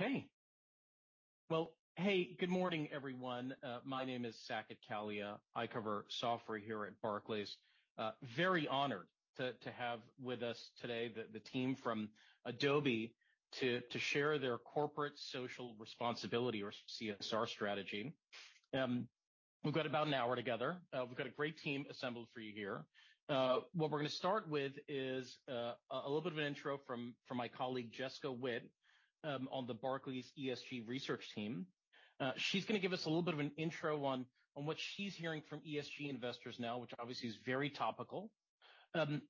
Okay. Well, hey, good morning, everyone. My name is Saket Kalia. I cover software here at Barclays. Very honored to have with us today the team from Adobe to share their corporate social responsibility or CSR strategy. We've got about an hour together. We've got a great team assembled for you here. What we're going to start with is a little bit of an intro from my colleague, Jessica Whitt, on the Barclays ESG research team. She's going to give us a little bit of an intro on what she's hearing from ESG investors now, which obviously is very topical. Then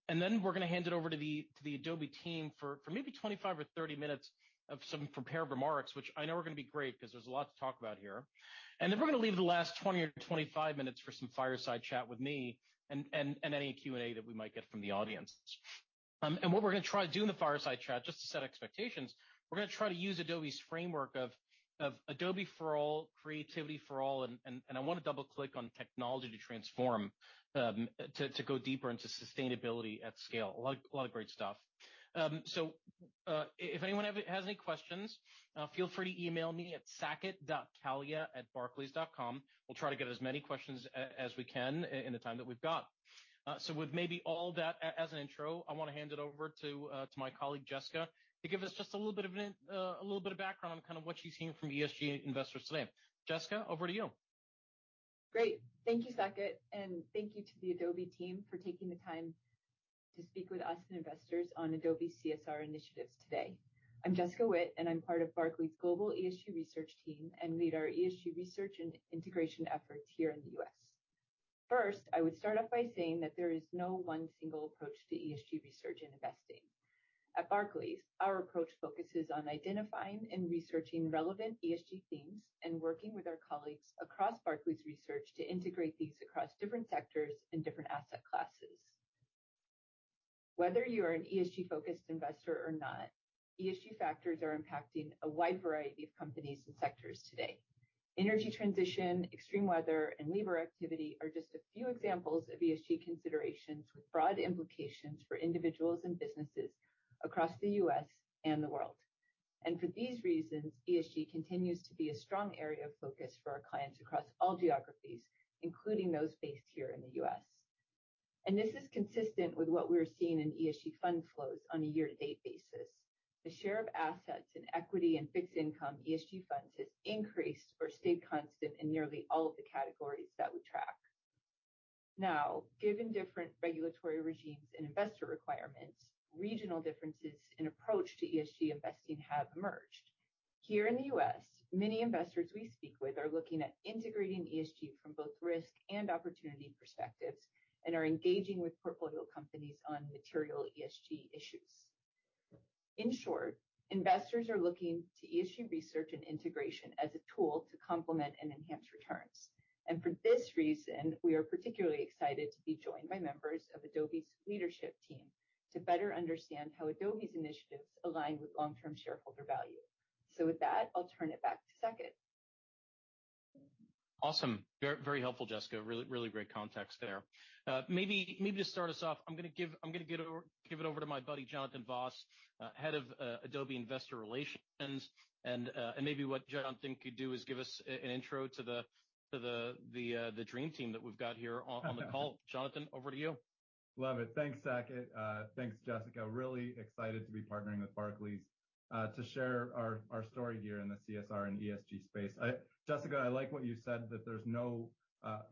we're going to hand it over to the, to the Adobe team for, for maybe 25 or 30 minutes of some prepared remarks, which I know are going to be great because there's a lot to talk about here. Then we're going to leave the last 20 or 25 minutes for some fireside chat with me and, and, and any Q&A that we might get from the audience. What we're going to try to do in the fireside chat, just to set expectations, we're going to try to use Adobe's framework of, of Adobe for All, Creativity for All, and, and, I want to double-click on Technology to Transform, to, to go deeper into Sustainability at Scale. A lot, a lot of great stuff. If anyone has any questions, feel free to email me at saket.kalia@barclays.com. We'll try to get as many questions as we can in the time that we've got. With maybe all that as an intro, I want to hand it over to my colleague, Jessica, to give us just a little bit of background on kind of what she's hearing from ESG investors today. Jessica, over to you. Great. Thank you, Saket, and thank you to the Adobe team for taking the time to speak with us and investors on Adobe CSR initiatives today. I'm Jessica Whitt, and I'm part of Barclays Global ESG Research Team, and lead our ESG research and integration efforts here in the U.S. First, I would start off by saying that there is no one single approach to ESG research and investing. At Barclays, our approach focuses on identifying and researching relevant ESG themes and working with our colleagues across Barclays Research to integrate these across different sectors and different asset classes. Whether you are an ESG-focused investor or not, ESG factors are impacting a wide variety of companies and sectors today. Energy transition, extreme weather, and labor activity are just a few examples of ESG considerations with broad implications for individuals and businesses across the U.S. and the world. For these reasons, ESG continues to be a strong area of focus for our clients across all geographies, including those based here in the U.S. This is consistent with what we're seeing in ESG fund flows on a year-to-date basis. The share of assets in equity and fixed income ESG funds has increased or stayed constant in nearly all of the categories that we track. Given different regulatory regimes and investor requirements, regional differences in approach to ESG investing have emerged. Here in the U.S., many investors we speak with are looking at integrating ESG from both risk and opportunity perspectives and are engaging with portfolio companies on material ESG issues. In short, investors are looking to ESG research and integration as a tool to complement and enhance returns. For this reason, we are particularly excited to be joined by members of Adobe's leadership team to better understand how Adobe's initiatives align with long-term shareholder value. With that, I'll turn it back to Saket. Awesome. Very, very helpful, Jessica. Really, really great context there. Maybe, maybe to start us off, I'm going to give it over, give it over to my buddy, Jonathan Vaas, head of Adobe Investor Relations. Maybe what Jonathan could do is give us an intro to the dream team that we've got here on, on the call. Jonathan, over to you. Love it. Thanks, Saket. Thanks, Jessica. Really excited to be partnering with Barclays, to share our story here in the CSR and ESG space. Jessica, I like what you said, that there's no,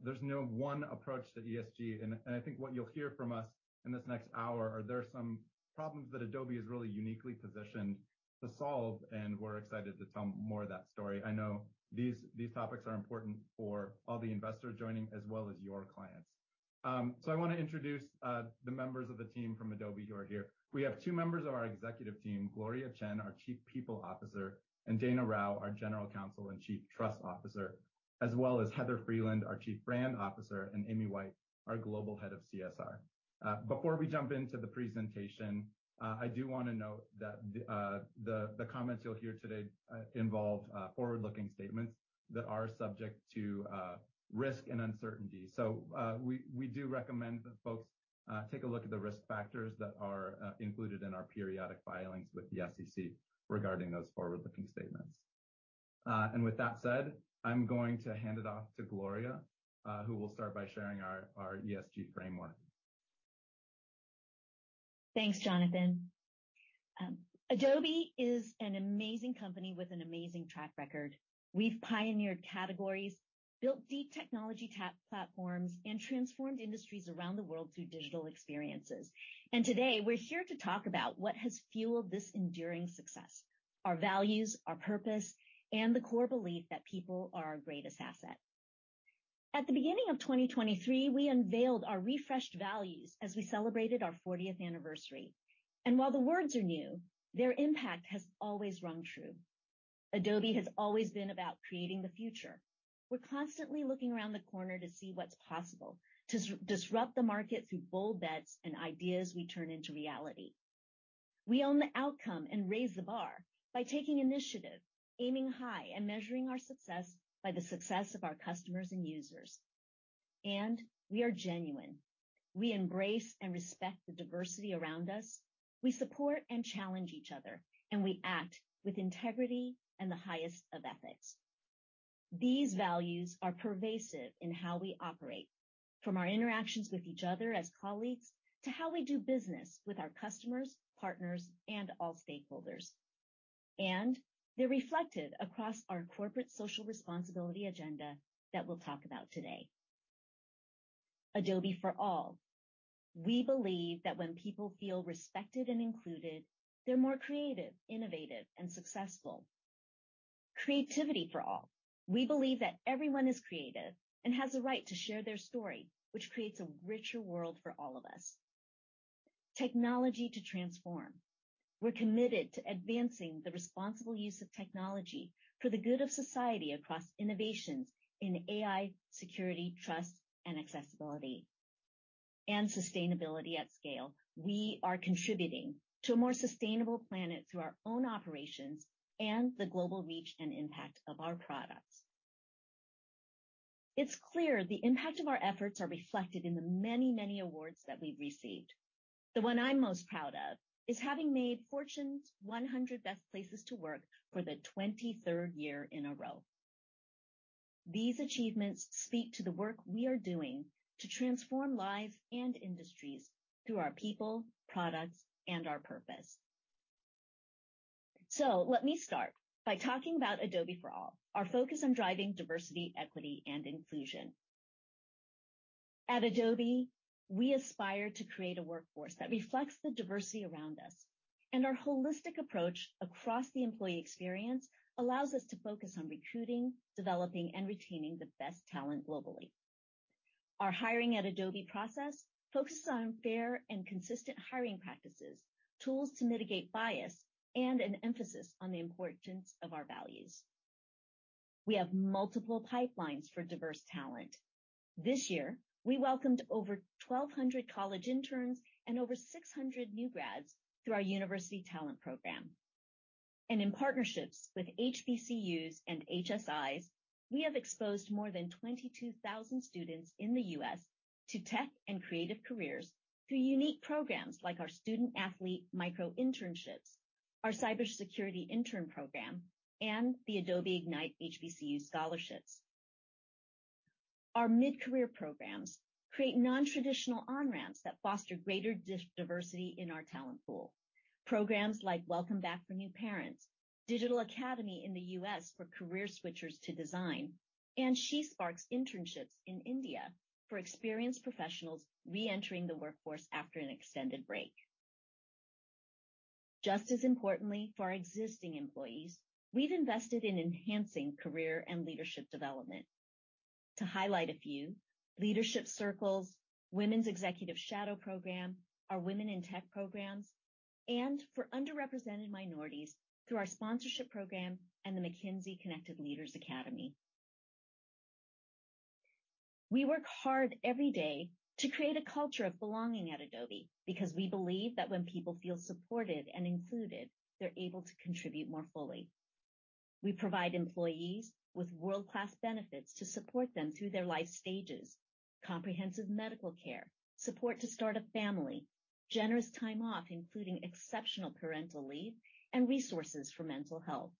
there's no one approach to ESG. I think what you'll hear from us in this next hour are there are some problems that Adobe is really uniquely positioned to solve, and we're excited to tell more of that story. I know these topics are important for all the investors joining, as well as your clients. I want to introduce the members of the team from Adobe who are here. We have two members of our executive team, Gloria Chen, our Chief People Officer, and Dana Rao, our General Counsel and Chief Trust Officer, as well as Heather Freeland, our Chief Brand Officer, and Amy White, our Global Head of CSR. Before we jump into the presentation, I do want to note that the comments you'll hear today involve forward-looking statements that are subject to risk and uncertainty. We do recommend that folks take a look at the risk factors that are included in our periodic filings with the SEC regarding those forward-looking statements. With that said, I'm going to hand it off to Gloria, who will start by sharing our ESG framework. Thanks, Jonathan. Adobe is an amazing company with an amazing track record. We've pioneered categories, built deep technology tap platforms, and transformed industries around the world through digital experiences. Today, we're here to talk about what has fueled this enduring success, our values, our purpose, and the core belief that people are our greatest asset. At the beginning of 2023, we unveiled our refreshed values as we celebrated our 40th anniversary. While the words are new, their impact has always rung true. Adobe has always been about creating the future. We're constantly looking around the corner to see what's possible, to disrupt the market through bold bets and ideas we turn into reality. We own the outcome and raise the bar by taking initiative, aiming high, and measuring our success by the success of our customers and users. We are genuine. We embrace and respect the diversity around us. We support and challenge each other, and we act with integrity and the highest of ethics. These values are pervasive in how we operate, from our interactions with each other as colleagues, to how we do business with our customers, partners, and all stakeholders. They're reflected across our corporate social responsibility agenda that we'll talk about today. Adobe for All. We believe that when people feel respected and included, they're more creative, innovative, and successful. Creativity for All. We believe that everyone is creative and has the right to share their story, which creates a richer world for all of us. Technology to Transform. We're committed to advancing the responsible use of technology for the good of society across innovations in AI, security, trust, and accessibility, and Sustainability at Scale. We are contributing to a more sustainable planet through our own operations and the global reach and impact of our products. It's clear the impact of our efforts are reflected in the many, many awards that we've received. The one I'm most proud of is having made Fortune 100 Best Companies to Work For for the 23rd year in a row. These achievements speak to the work we are doing to transform lives and industries through our people, products, and our purpose. Let me start by talking about Adobe For All, our focus on driving diversity, equity, and inclusion. At Adobe, we aspire to create a workforce that reflects the diversity around us, and our holistic approach across the employee experience allows us to focus on recruiting, developing, and retaining the best talent globally. Our hiring at Adobe process focuses on fair and consistent hiring practices, tools to mitigate bias, and an emphasis on the importance of our values. We have multiple pipelines for diverse talent. This year, we welcomed over 1,200 college interns and over 600 new grads through our university talent program. In partnerships with HBCUs and HSIs, we have exposed more than 22,000 students in the US to tech and creative careers through unique programs like our Student Athlete Micro-Internships, our Cybersecurity Internship Program, and the Adobe HBCU Ignite Scholarship. Our mid-career programs create non-traditional on-ramps that foster greater diversity in our talent pool. Programs like Welcome Back for New Parents, Digital Academy in the US for career switchers to design, and SheSparks Internships in India for experienced professionals reentering the workforce after an extended break. Just as importantly, for our existing employees, we've invested in enhancing career and leadership development. To highlight a few, Leadership Circles, Women's Executive Shadow Program, our Adobe Women-in-Technology Scholarship programs, and for underrepresented minorities through our sponsorship program and the McKinsey Connected Leaders Academy. We work hard every day to create a culture of belonging at Adobe, because we believe that when people feel supported and included, they're able to contribute more fully. We provide employees with world-class benefits to support them through their life stages, comprehensive medical care, support to start a family, generous time off, including exceptional parental leave, and resources for mental health.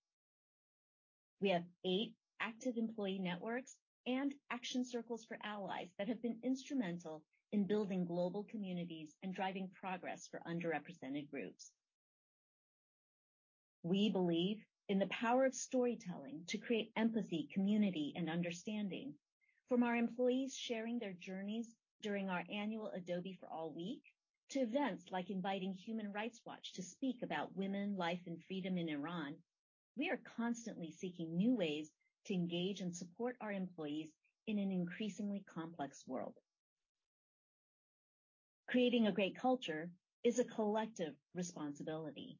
We have eight active employee networks and action circles for allies that have been instrumental in building global communities and driving progress for underrepresented groups. We believe in the power of storytelling to create empathy, community, and understanding. From our employees sharing their journeys during our annual Adobe for All Week, to events like inviting Human Rights Watch to speak about women, life, and freedom in Iran, we are constantly seeking new ways to engage and support our employees in an increasingly complex world. Creating a great culture is a collective responsibility.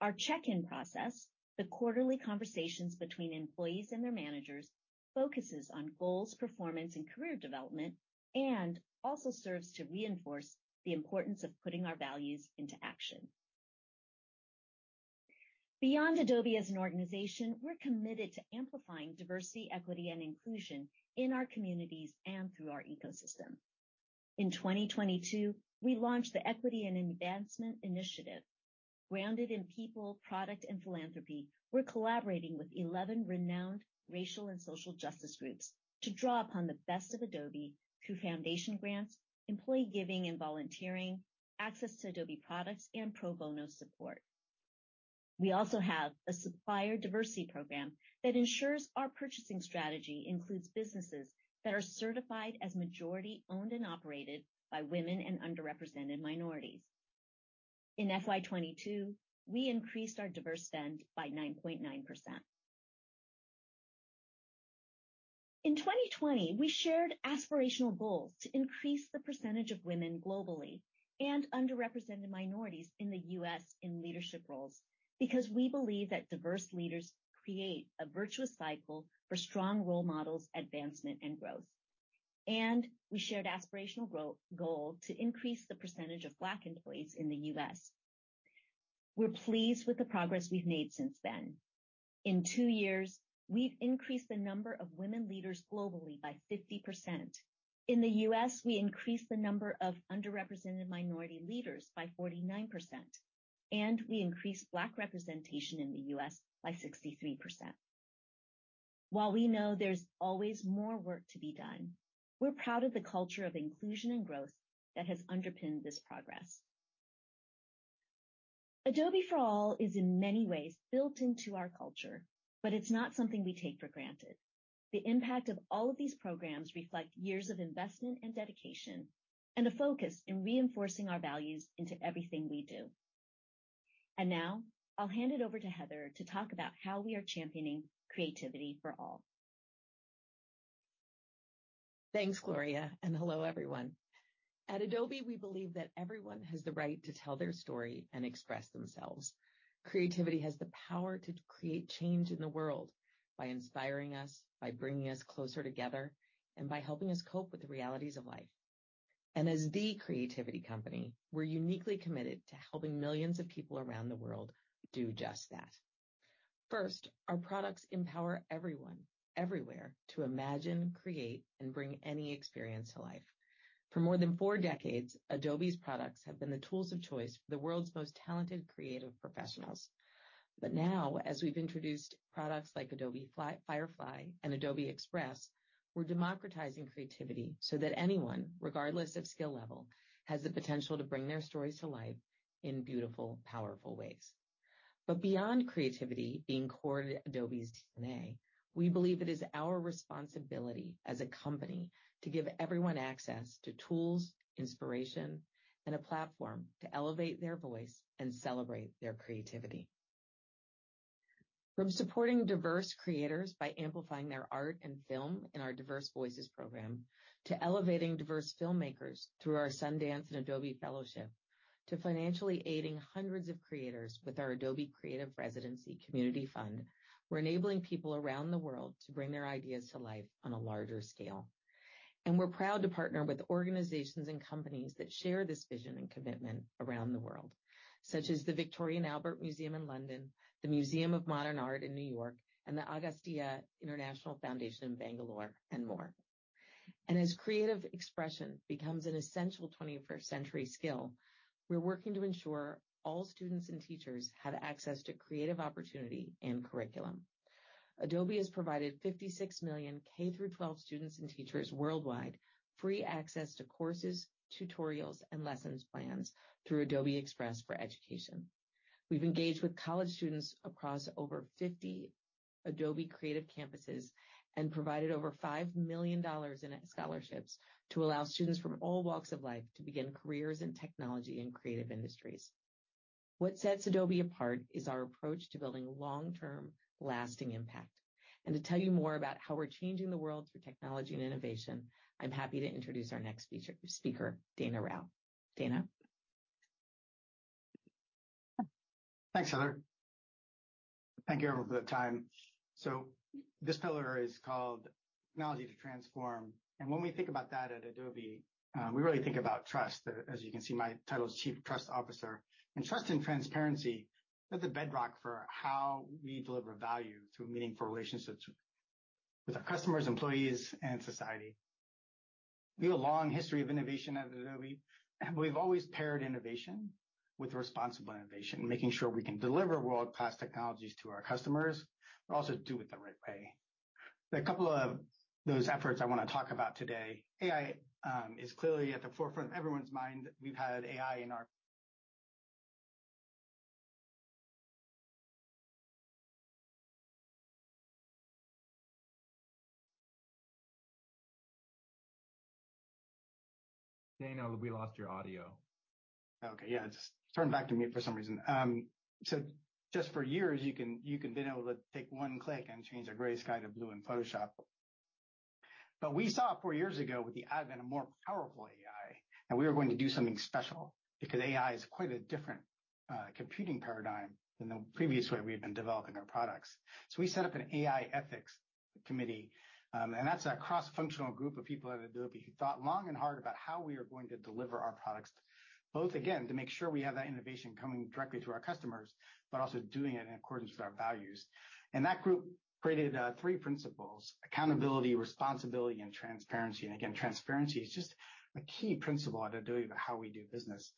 Our Check-in process, the quarterly conversations between employees and their managers, focuses on goals, performance, and career development, and also serves to reinforce the importance of putting our values into action. Beyond Adobe as an organization, we're committed to amplifying diversity, equity, and inclusion in our communities and through our ecosystem. In 2022, we launched the Equity and Advancement Initiative. Grounded in people, product, and philanthropy, we're collaborating with 11 renowned racial and social justice groups to draw upon the best of Adobe through foundation grants, employee giving and volunteering, access to Adobe products, and pro bono support. We also have a supplier diversity program that ensures our purchasing strategy includes businesses that are certified as majority-owned and operated by women and underrepresented minorities. In FY22, we increased our diverse spend by 9.9%. In 2020, we shared aspirational goals to increase the percentage of women globally and underrepresented minorities in the U.S. in leadership roles, because we believe that diverse leaders create a virtuous cycle for strong role models, advancement, and growth. We shared aspirational goal to increase the percentage of Black employees in the U.S. We're pleased with the progress we've made since then. In two years, we've increased the number of women leaders globally by 50%. In the U.S., we increased the number of underrepresented minority leaders by 49%, and we increased Black representation in the U.S. by 63%. While we know there's always more work to be done, we're proud of the culture of inclusion and growth that has underpinned this progress. Adobe for All is in many ways built into our culture, but it's not something we take for granted. The impact of all of these programs reflect years of investment and dedication and a focus in reinforcing our values into everything we do. Now I'll hand it over to Heather to talk about how we are championing Creativity for All. Thanks, Gloria. Hello, everyone. At Adobe, we believe that everyone has the right to tell their story and express themselves. Creativity has the power to create change in the world by inspiring us, by bringing us closer together, and by helping us cope with the realities of life. As the creativity company, we're uniquely committed to helping millions of people around the world do just that. First, our products empower everyone, everywhere to imagine, create, and bring any experience to life. For more than four decades, Adobe's products have been the tools of choice for the world's most talented creative professionals. Now, as we've introduced products like Adobe Firefly and Adobe Express, we're democratizing creativity so that anyone, regardless of skill level, has the potential to bring their stories to life in beautiful, powerful ways. Beyond creativity being core to Adobe's DNA, we believe it is our responsibility as a company to give everyone access to tools, inspiration, and a platform to elevate their voice and celebrate their creativity. From supporting diverse creators by amplifying their art and film in our Diverse Voices program, to elevating diverse filmmakers through our Sundance and Adobe Fellowship, to financially aiding hundreds of creators with our Adobe Creative Residency Community Fund, we're enabling people around the world to bring their ideas to life on a larger scale. We're proud to partner with organizations and companies that share this vision and commitment around the world, such as the Victoria and Albert Museum in London, the Museum of Modern Art in New York, and the Agastya International Foundation in Bangalore, and more. As creative expression becomes an essential 21st-century skill, we're working to ensure all students and teachers have access to creative opportunity and curriculum. Adobe has provided 56 million K-12 students and teachers worldwide, free access to courses, tutorials, and lesson plans through Adobe Express for Education. We've engaged with college students across over 50 Adobe Creative Campus and provided over $5 million in scholarships to allow students from all walks of life to begin careers in technology and creative industries. What sets Adobe apart is our approach to building long-term, lasting impact. To tell you more about how we're changing the world through technology and innovation, I'm happy to introduce our next speaker, Dana Rao. Dana? Thanks, Heather. Thank you everyone for the time. This pillar is called Technology to Transform, and when we think about that at Adobe, we really think about trust. As you can see, my title is Chief Trust Officer. Trust and transparency, that's the bedrock for how we deliver value through meaningful relationships with our customers, employees, and society. We have a long history of innovation at Adobe, and we've always paired innovation with responsible innovation, making sure we can deliver world-class technologies to our customers, but also do it the right way. There are a couple of those efforts I want to talk about today. AI is clearly at the forefront of everyone's mind. Dana, we lost your audio. Okay, yeah, it just turned back to me for some reason. Just for years, you can, you can then be able to take one click and change a gray sky to blue in Photoshop. We saw four years ago with the advent of more powerful AI, and we were going to do something special because AI is quite a different computing paradigm than the previous way we had been developing our products. We set up an AI ethics committee, and that's a cross-functional group of people at Adobe who thought long and hard about how we are going to deliver our products, both, again, to make sure we have that innovation coming directly to our customers, but also doing it in accordance with our values. That group created three principles: accountability, responsibility, and transparency. Again, transparency is just a key principle at Adobe about how we do business.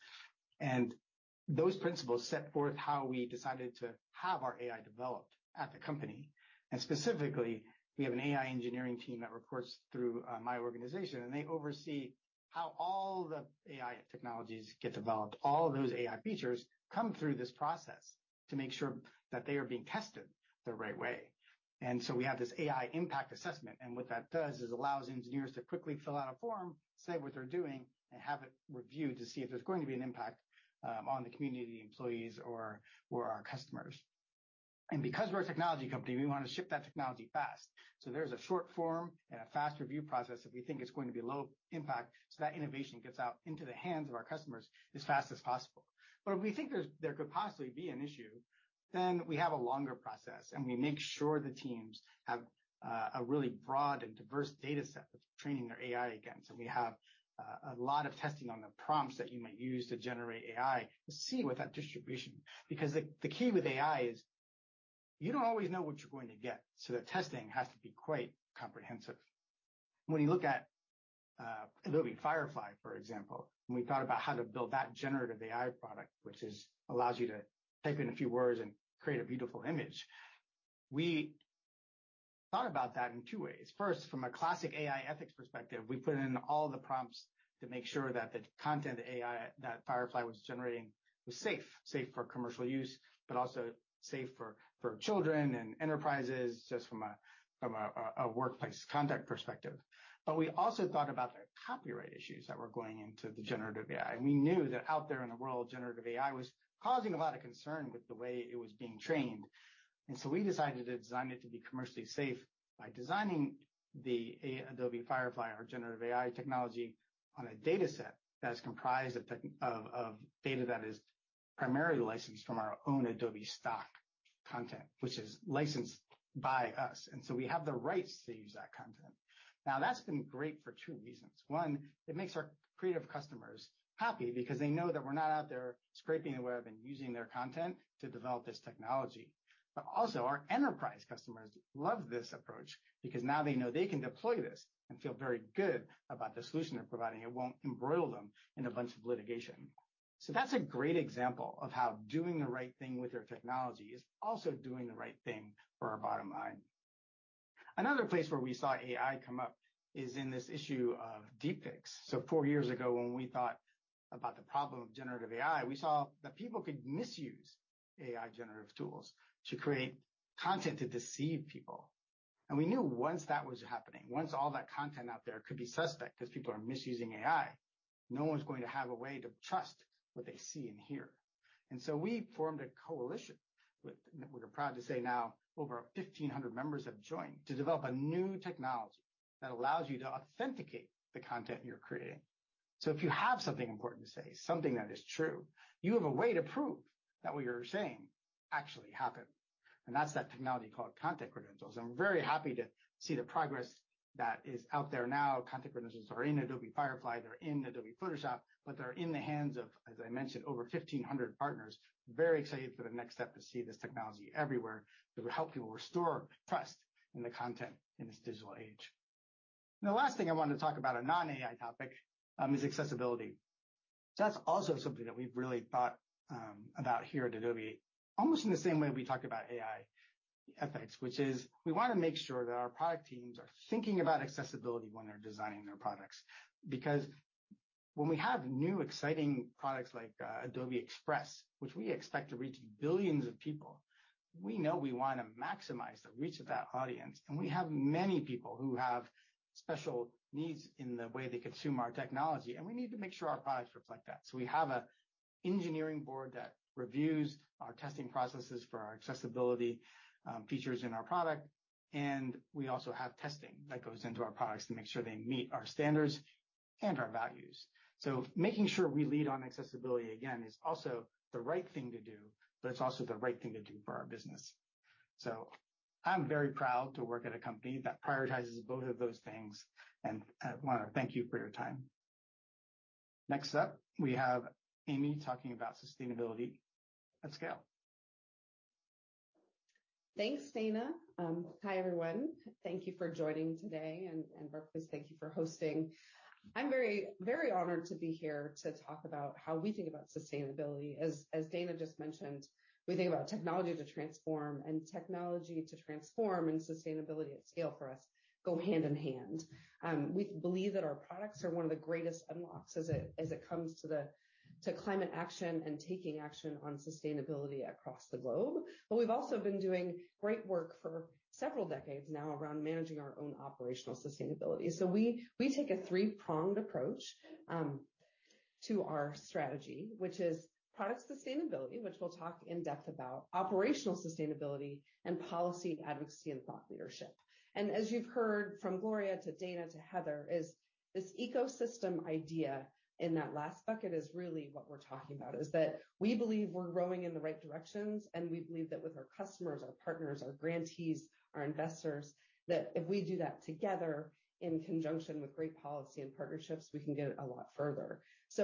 Those principles set forth how we decided to have our AI developed at the company. Specifically, we have an AI engineering team that reports through my organization, and they oversee how all the AI technologies get developed. All of those AI features come through this process to make sure that they are being tested the right way. We have this AI Impact Assessment, and what that does is allows engineers to quickly fill out a form, say what they're doing, and have it reviewed to see if there's going to be an impact on the community, employees, or our customers. Because we're a technology company, we want to ship that technology fast. There's a short form and a fast review process if we think it's going to be low impact, so that innovation gets out into the hands of our customers as fast as possible. If we think there's, there could possibly be an issue. We have a longer process, and we make sure the teams have a really broad and diverse data set of training their AI against. We have a lot of testing on the prompts that you might use to generate AI to see what that distribution. The key with AI is you don't always know what you're going to get, so the testing has to be quite comprehensive. When you look at Adobe Firefly, for example, when we thought about how to build that generative AI product, which is, allows you to type in a few words and create a beautiful image. We thought about that in two ways. First, from a classic AI Ethics perspective, we put in all the prompts to make sure that the content AI, that Firefly was generating was safe, safe for commercial use, but also safe for, for children and enterprises, just from a workplace contact perspective. We also thought about the Copyright issues that were going into the generative AI. We knew that out there in the world, generative AI was causing a lot of concern with the way it was being trained. We decided to design it to be commercially safe by designing the Adobe Firefly, our generative AI technology, on a data set that is comprised of data that is primarily licensed from our own Adobe Stock content, which is licensed by us, and we have the rights to use that content. That's been great for two reasons. One, it makes our creative customers happy because they know that we're not out there scraping the web and using their content to develop this technology. Also, our enterprise customers love this approach because now they know they can deploy this and feel very good about the solution they're providing. It won't embroil them in a bunch of litigation. That's a great example of how doing the right thing with our technology is also doing the right thing for our bottom line. Another place where we saw AI come up is in this issue of deepfakes. 4 years ago, when we thought about the problem of generative AI, we saw that people could misuse AI generative tools to create content to deceive people. We knew once that was happening, once all that content out there could be suspect because people are misusing AI, no one's going to have a way to trust what they see and hear. We formed a coalition with, we're proud to say now, over 1,500 members have joined to develop a new technology that allows you to authenticate the content you're creating. If you have something important to say, something that is true, you have a way to prove that what you're saying actually happened, and that's that technology called Content Credentials. I'm very happy to see the progress that is out there now. Content Credentials are in Adobe Firefly, they're in Adobe Photoshop. They're in the hands of, as I mentioned, over 1,500 partners. Very excited for the next step to see this technology everywhere, to help people restore trust in the content in this digital age. The last thing I wanted to talk about, a non-AI topic, is accessibility. That's also something that we've really thought about here at Adobe, almost in the same way we talk about AI ethics, which is we want to make sure that our product teams are thinking about accessibility when they're designing their products. When we have new, exciting products like Adobe Express, which we expect to reach billions of people, we know we want to maximize the reach of that audience. We have many people who have special needs in the way they consume our technology, and we need to make sure our products reflect that. We have an engineering board that reviews our testing processes for our accessibility features in our product, and we also have testing that goes into our products to make sure they meet our standards and our values. Making sure we lead on accessibility, again, is also the right thing to do, but it's also the right thing to do for our business. I'm very proud to work at a company that prioritizes both of those things, and I want to thank you for your time. Next up, we have Amy talking about Sustainability at Scale. Thanks, Dana. Hi, everyone. Thank you for joining today and Barclays, thank you for hosting. I'm very, very honored to be here to talk about how we think about sustainability. As Dana just mentioned, we think about Technology to Transform, and Technology to Transform and Sustainability at Scale for us go hand in hand. We believe that our products are one of the greatest unlocks as it comes to climate action and taking action on sustainability across the globe. We've also been doing great work for several decades now around managing our own operational sustainability. We take a three-pronged approach to our strategy, which is product sustainability, which we'll talk in depth about, operational sustainability, and policy, advocacy, and thought leadership. As you've heard from Gloria to Dana to Heather, is this ecosystem idea in that last bucket is really what we're talking about, is that we believe we're growing in the right directions, and we believe that with our customers, our partners, our grantees, our investors, that if we do that together in conjunction with great policy and partnerships, we can get a lot further.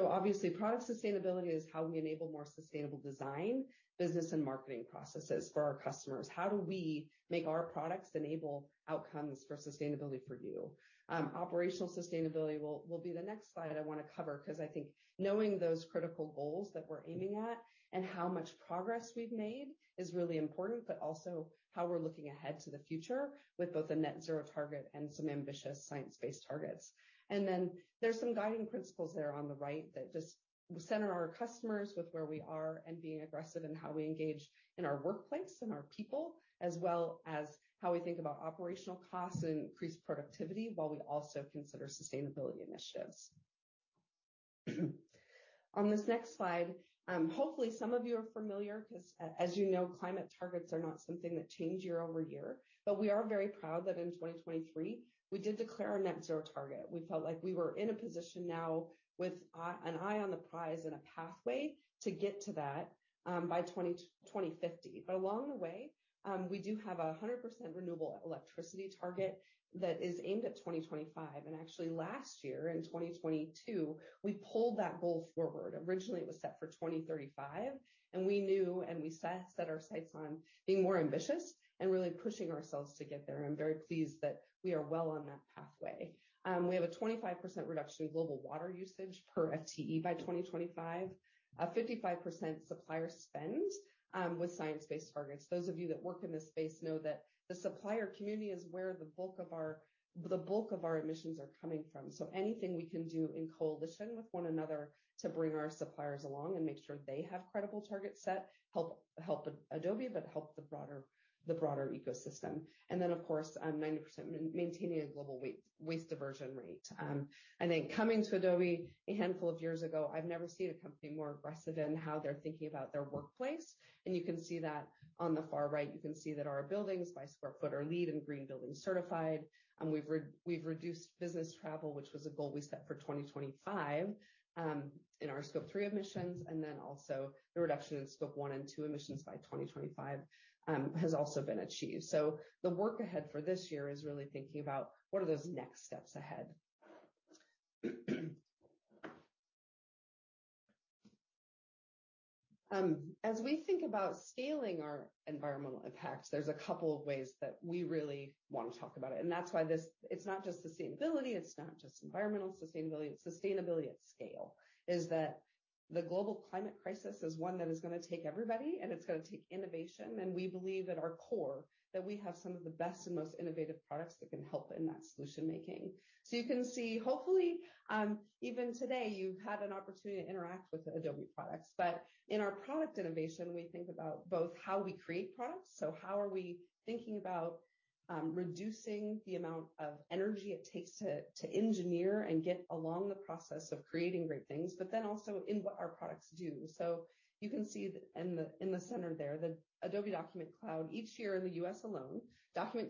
Obviously, product sustainability is how we enable more sustainable design, business, and marketing processes for our customers. How do we make our products enable outcomes for sustainability for you? Operational sustainability will be the next slide I want to cover, 'cause I think knowing those critical goals that we're aiming at and how much progress we've made is really important, but also how we're looking ahead to the future with both a net zero target and some ambitious Science-Based Targets. There's some guiding principles there on the right that just center our customers with where we are and being aggressive in how we engage in our workplace and our people, as well as how we think about operational costs and increased productivity while we also consider sustainability initiatives. On this next slide, hopefully some of you are familiar, 'cause as you know, climate targets are not something that change year-over-year. We are very proud that in 2023, we did declare our net zero target. We felt like we were in a position now with an eye on the prize and a pathway to get to that by 2050. Along the way, we do have a 100% renewable electricity target that is aimed at 2025, and actually last year, in 2022, we pulled that goal forward. Originally, it was set for 2035, and we knew, and we set, set our sights on being more ambitious and really pushing ourselves to get there. I'm very pleased that we are well on that pathway. We have a 25% reduction in global water usage per FTE by 2025. A 55% supplier spend with Science-Based Targets. Those of you that work in this space know that the supplier community is where the bulk of our, the bulk of our emissions are coming from. Anything we can do in coalition with one another to bring our suppliers along and make sure they have credible targets set, help, help Adobe, but help the broader, the broader ecosystem. And then, of course, 90% maintaining a global waste, waste diversion rate. I think coming to Adobe a handful of years ago, I've never seen a company more aggressive in how they're thinking about their workplace, and you can see that on the far right. You can see that our buildings, by square foot, are LEED and Green Building certified, and we've reduced business travel, which was a goal we set for 2025, in our Scope 3 emissions, and then also the reduction in Scope 1 and 2 emissions by 2025 has also been achieved. The work ahead for this year is really thinking about what are those next steps ahead? As we think about scaling our environmental impact, there's a couple of ways that we really want to talk about it, and that's why it's not just sustainability, it's not just environmental sustainability, it's Sustainability at Scale, is that the global climate crisis is one that is going to take everybody, and it's going to take innovation. We believe at our core, that we have some of the best and most innovative products that can help in that solution-making. You can see, hopefully, even today, you've had an opportunity to interact with Adobe products. In our product innovation, we think about both how we create products, so how are we thinking about reducing the amount of energy it takes to engineer and get along the process of creating great things, but then also in what our products do. You can see in the, in the center there, the Adobe Document Cloud. Each year in the U.S. alone, Document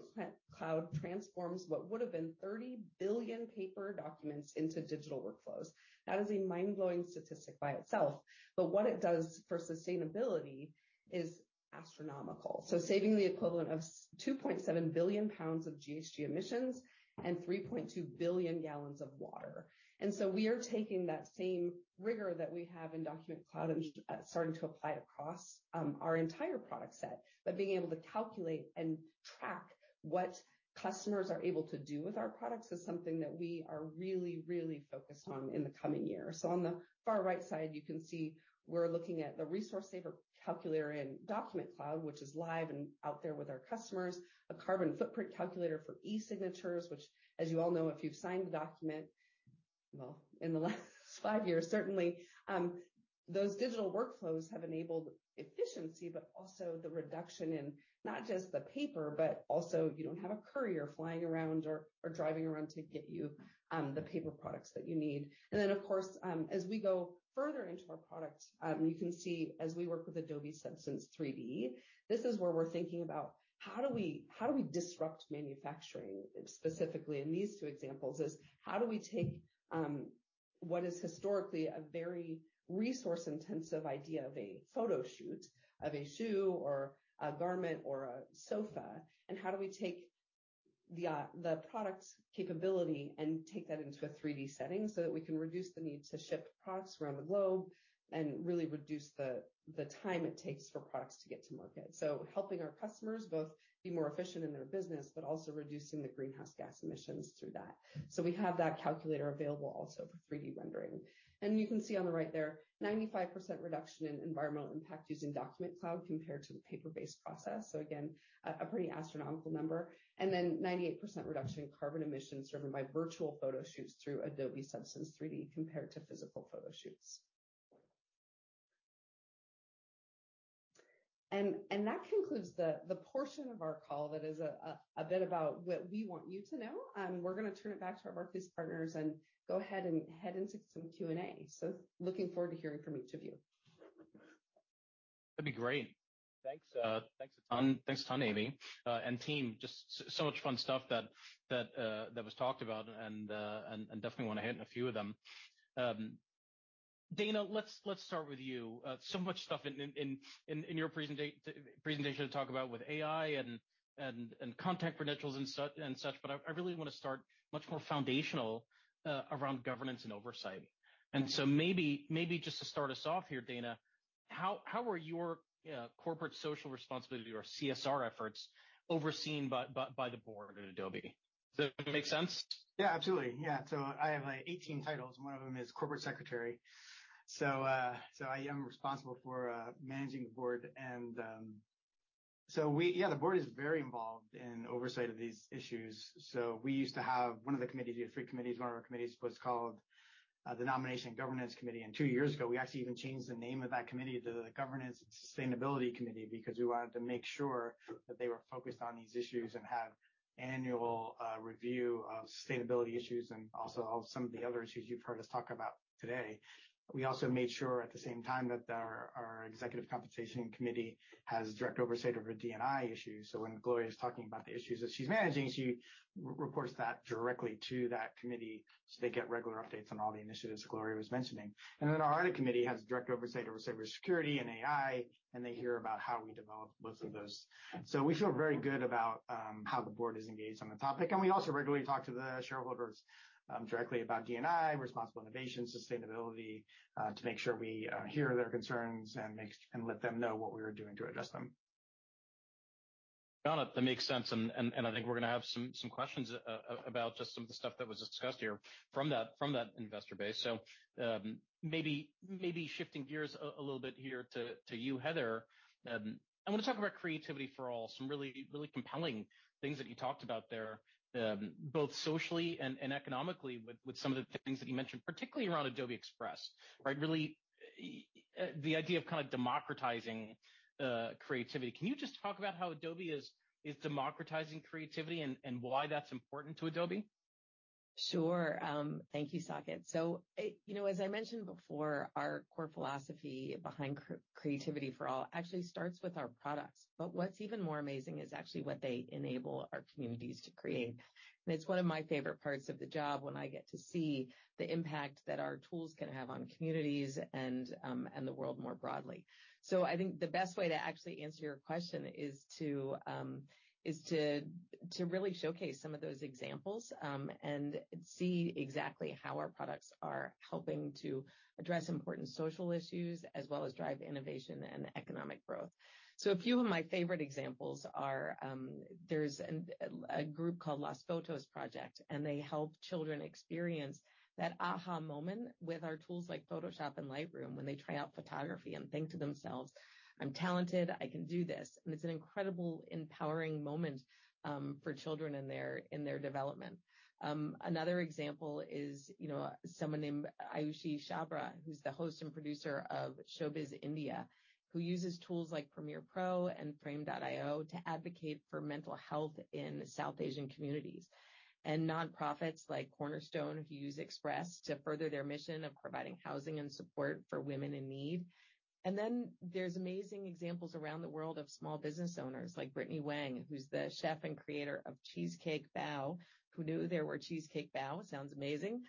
Cloud transforms what would have been 30 billion paper documents into digital workflows. That is a mind-blowing statistic by itself, but what it does for sustainability is astronomical. Saving the equivalent of 2.7 billion pounds of GHG emissions and 3.2 billion gallons of water. We are taking that same rigor that we have in Document Cloud and starting to apply it across our entire product set. Being able to calculate and track what customers are able to do with our products is something that we are really, really focused on in the coming year. On the far right side, you can see we're looking at the Resource Saver Calculator in Document Cloud, which is live and out there with our customers. A Carbon Footprint Calculator for e-signatures, which, as you all know, if you've signed a document, well, in the last 5 years, certainly, those digital workflows have enabled efficiency, but also the reduction in not just the paper, but also you don't have a courier flying around or, or driving around to get you the paper products that you need. Then, of course, as we go further into our products, you can see as we work with Adobe Substance 3D, this is where we're thinking about how do we, how do we disrupt manufacturing? Specifically in these two examples, is how do we take, what is historically a very resource-intensive idea of a photo shoot, of a shoe or a garment or a sofa, and how do we take the product's capability and take that into a 3D setting so that we can reduce the need to ship products around the globe and really reduce the time it takes for products to get to market? Helping our customers both be more efficient in their business, but also reducing the greenhouse gas emissions through that. We have that calculator available also for 3D rendering. You can see on the right there, 95% reduction in environmental impact using Document Cloud compared to the paper-based process. Again, a, a pretty astronomical number. Then 98% reduction in carbon emissions driven by virtual photo shoots through Adobe Substance 3D compared to physical photo shoots. That concludes the, the portion of our call that is a, a, a bit about what we want you to know. We're going to turn it back to our workplace partners and go ahead and head into some Q&A. Looking forward to hearing from each of you. That'd be great. Thanks, thanks a ton, Amy, and team. Just so much fun stuff that, that, that was talked about and, and, and definitely want to hit on a few of them. Dana, let's, let's start with you. So much stuff in, in, in, in your presentation to talk about with AI and, and, and Content Credentials and such and such, but I, I really want to start much more foundational, around governance and oversight. So maybe, maybe just to start us off here, Dana, how, how are your Corporate Social Responsibility or CSR efforts overseen by, by, by the board at Adobe? Does that make sense? Absolutely. I have, like, 18 titles, and one of them is corporate secretary. I am responsible for managing the board. The board is very involved in oversight of these issues. We used to have one of the committees, we had 3 committees. One of our committees was called the Nominating and Governance Committee, and 2 years ago, we actually even changed the name of that committee to the Governance and Sustainability Committee, because we wanted to make sure that they were focused on these issues and have annual review of sustainability issues and also of some of the other issues you've heard us talk about today. We also made sure at the same time that our Executive Compensation Committee has direct oversight over DNI issues. When Gloria is talking about the issues that she's managing, she reports that directly to that committee, so they get regular updates on all the initiatives Gloria was mentioning. Our Audit Committee has direct oversight over cybersecurity and AI, and they hear about how we develop both of those. We feel very good about how the board is engaged on the topic, and we also regularly talk to the shareholders directly about DNI, responsible innovation, sustainability, to make sure we hear their concerns and let them know what we are doing to address them. Got it. That makes sense, and, and, I think we're going to have some, some questions about just some of the stuff that was discussed here from that, from that investor base. Maybe, maybe shifting gears a little bit here to, to you, Heather. I want to talk about Creativity for All, some really, really compelling things that you talked about there, both socially and, and economically with, with some of the things that you mentioned, particularly around Adobe Express, right? Really, the idea of kind of democratizing creativity. Can you just talk about how Adobe is, is democratizing creativity and, and why that's important to Adobe? Sure. Thank you, Saket. It, you know, as I mentioned before, our core philosophy behind Creativity for All actually starts with our products, but what's even more amazing is actually what they enable our communities to create. It's one of my favorite parts of the job when I get to see the impact that our tools can have on communities and the world more broadly. I think the best way to actually answer your question is to really showcase some of those examples and see exactly how our products are helping to address important social issues, as well as drive innovation and economic growth. A few of my favorite examples are, there's a group called Las Fotos Project, and they help children experience that aha moment with our tools like Photoshop and Lightroom when they try out photography and think to themselves: "I'm talented, I can do this." It's an incredible, empowering moment for children in their development. Another example is, you know, someone named Ayushi Chhabra, who's the host and producer of Showbiz India, who uses tools like Premiere Pro and Frame.io to advocate for mental health in South Asian communities. Nonprofits like Cornerstone use Express to further their mission of providing housing and support for women in need. Then there's amazing examples around the world of small business owners like Britney Wang, who's the chef and creator of Cheesecake Bao. Who knew there were Cheesecake Bao? Sounds amazing.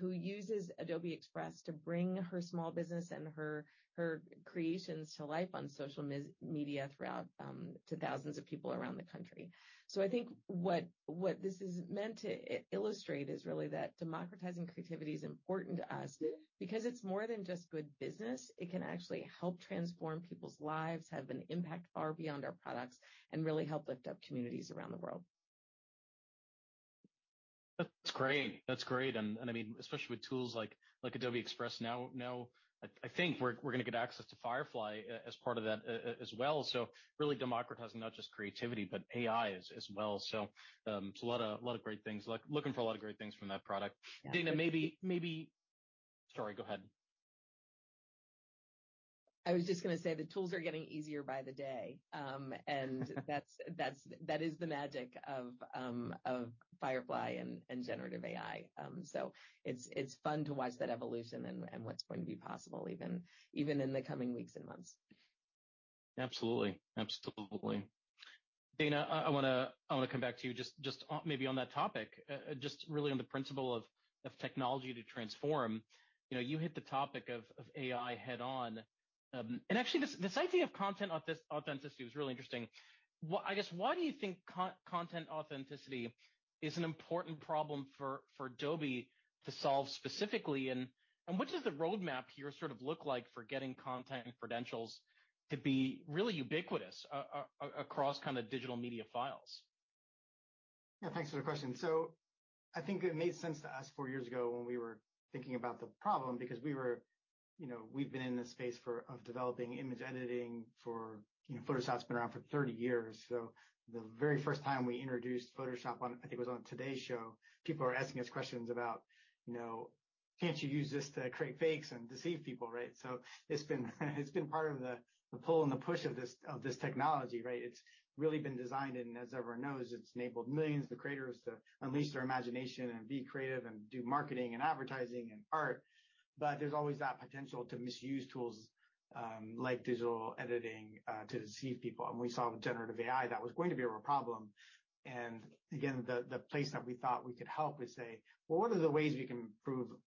who uses Adobe Express to bring her small business and her, her creations to life on social media throughout, to thousands of people around the country. I think what, what this is meant to illustrate is really that democratizing creativity is important to us because it's more than just good business. It can actually help transform people's lives, have an impact far beyond our products, and really help lift up communities around the world. That's great. That's great, and, and I mean, especially with tools like, like Adobe Express, now, now, I, I think we're, we're going to get access to Firefly as part of that as well. Really democratizing not just creativity, but AI as well. A lot of, lot of great things. Looking for a lot of great things from that product. Yeah. Dana, maybe... Sorry, go ahead. I was just going to say, the tools are getting easier by the day. That's, that's, that is the magic of Adobe Firefly and generative AI. It's, it's fun to watch that evolution and what's going to be possible even, even in the coming weeks and months. Absolutely. Absolutely. Dana, I, I want to, I want to come back to you just, just on maybe on that topic. Just really on the principle of Technology to Transform. You know, you hit the topic of AI head-on. Actually, this idea of Content Authenticity was really interesting. I guess, why do you think Content Authenticity is an important problem for Adobe to solve specifically? What does the roadmap here sort of look like for getting Content Credentials to be really ubiquitous across digital media files? Yeah, thanks for the question. I think it made sense to us four years ago when we were thinking about the problem, because we were, you know, we've been in the space of developing image editing for. You know, Photoshop's been around for 30 years. The very first time we introduced Photoshop on, I think it was on Today, people were asking us questions about, you know, "Can't you use this to create fakes and deceive people?" Right? It's been, it's been part of the, the pull and the push of this, of this technology, right? It's really been designed, and as everyone knows, it's enabled millions of creators to unleash their imagination and be creative and do marketing and advertising and art. There's always that potential to misuse tools, like digital editing, to deceive people. We saw with generative AI, that was going to be a real problem. Again, the place that we thought we could help is say: Well, what are the ways we can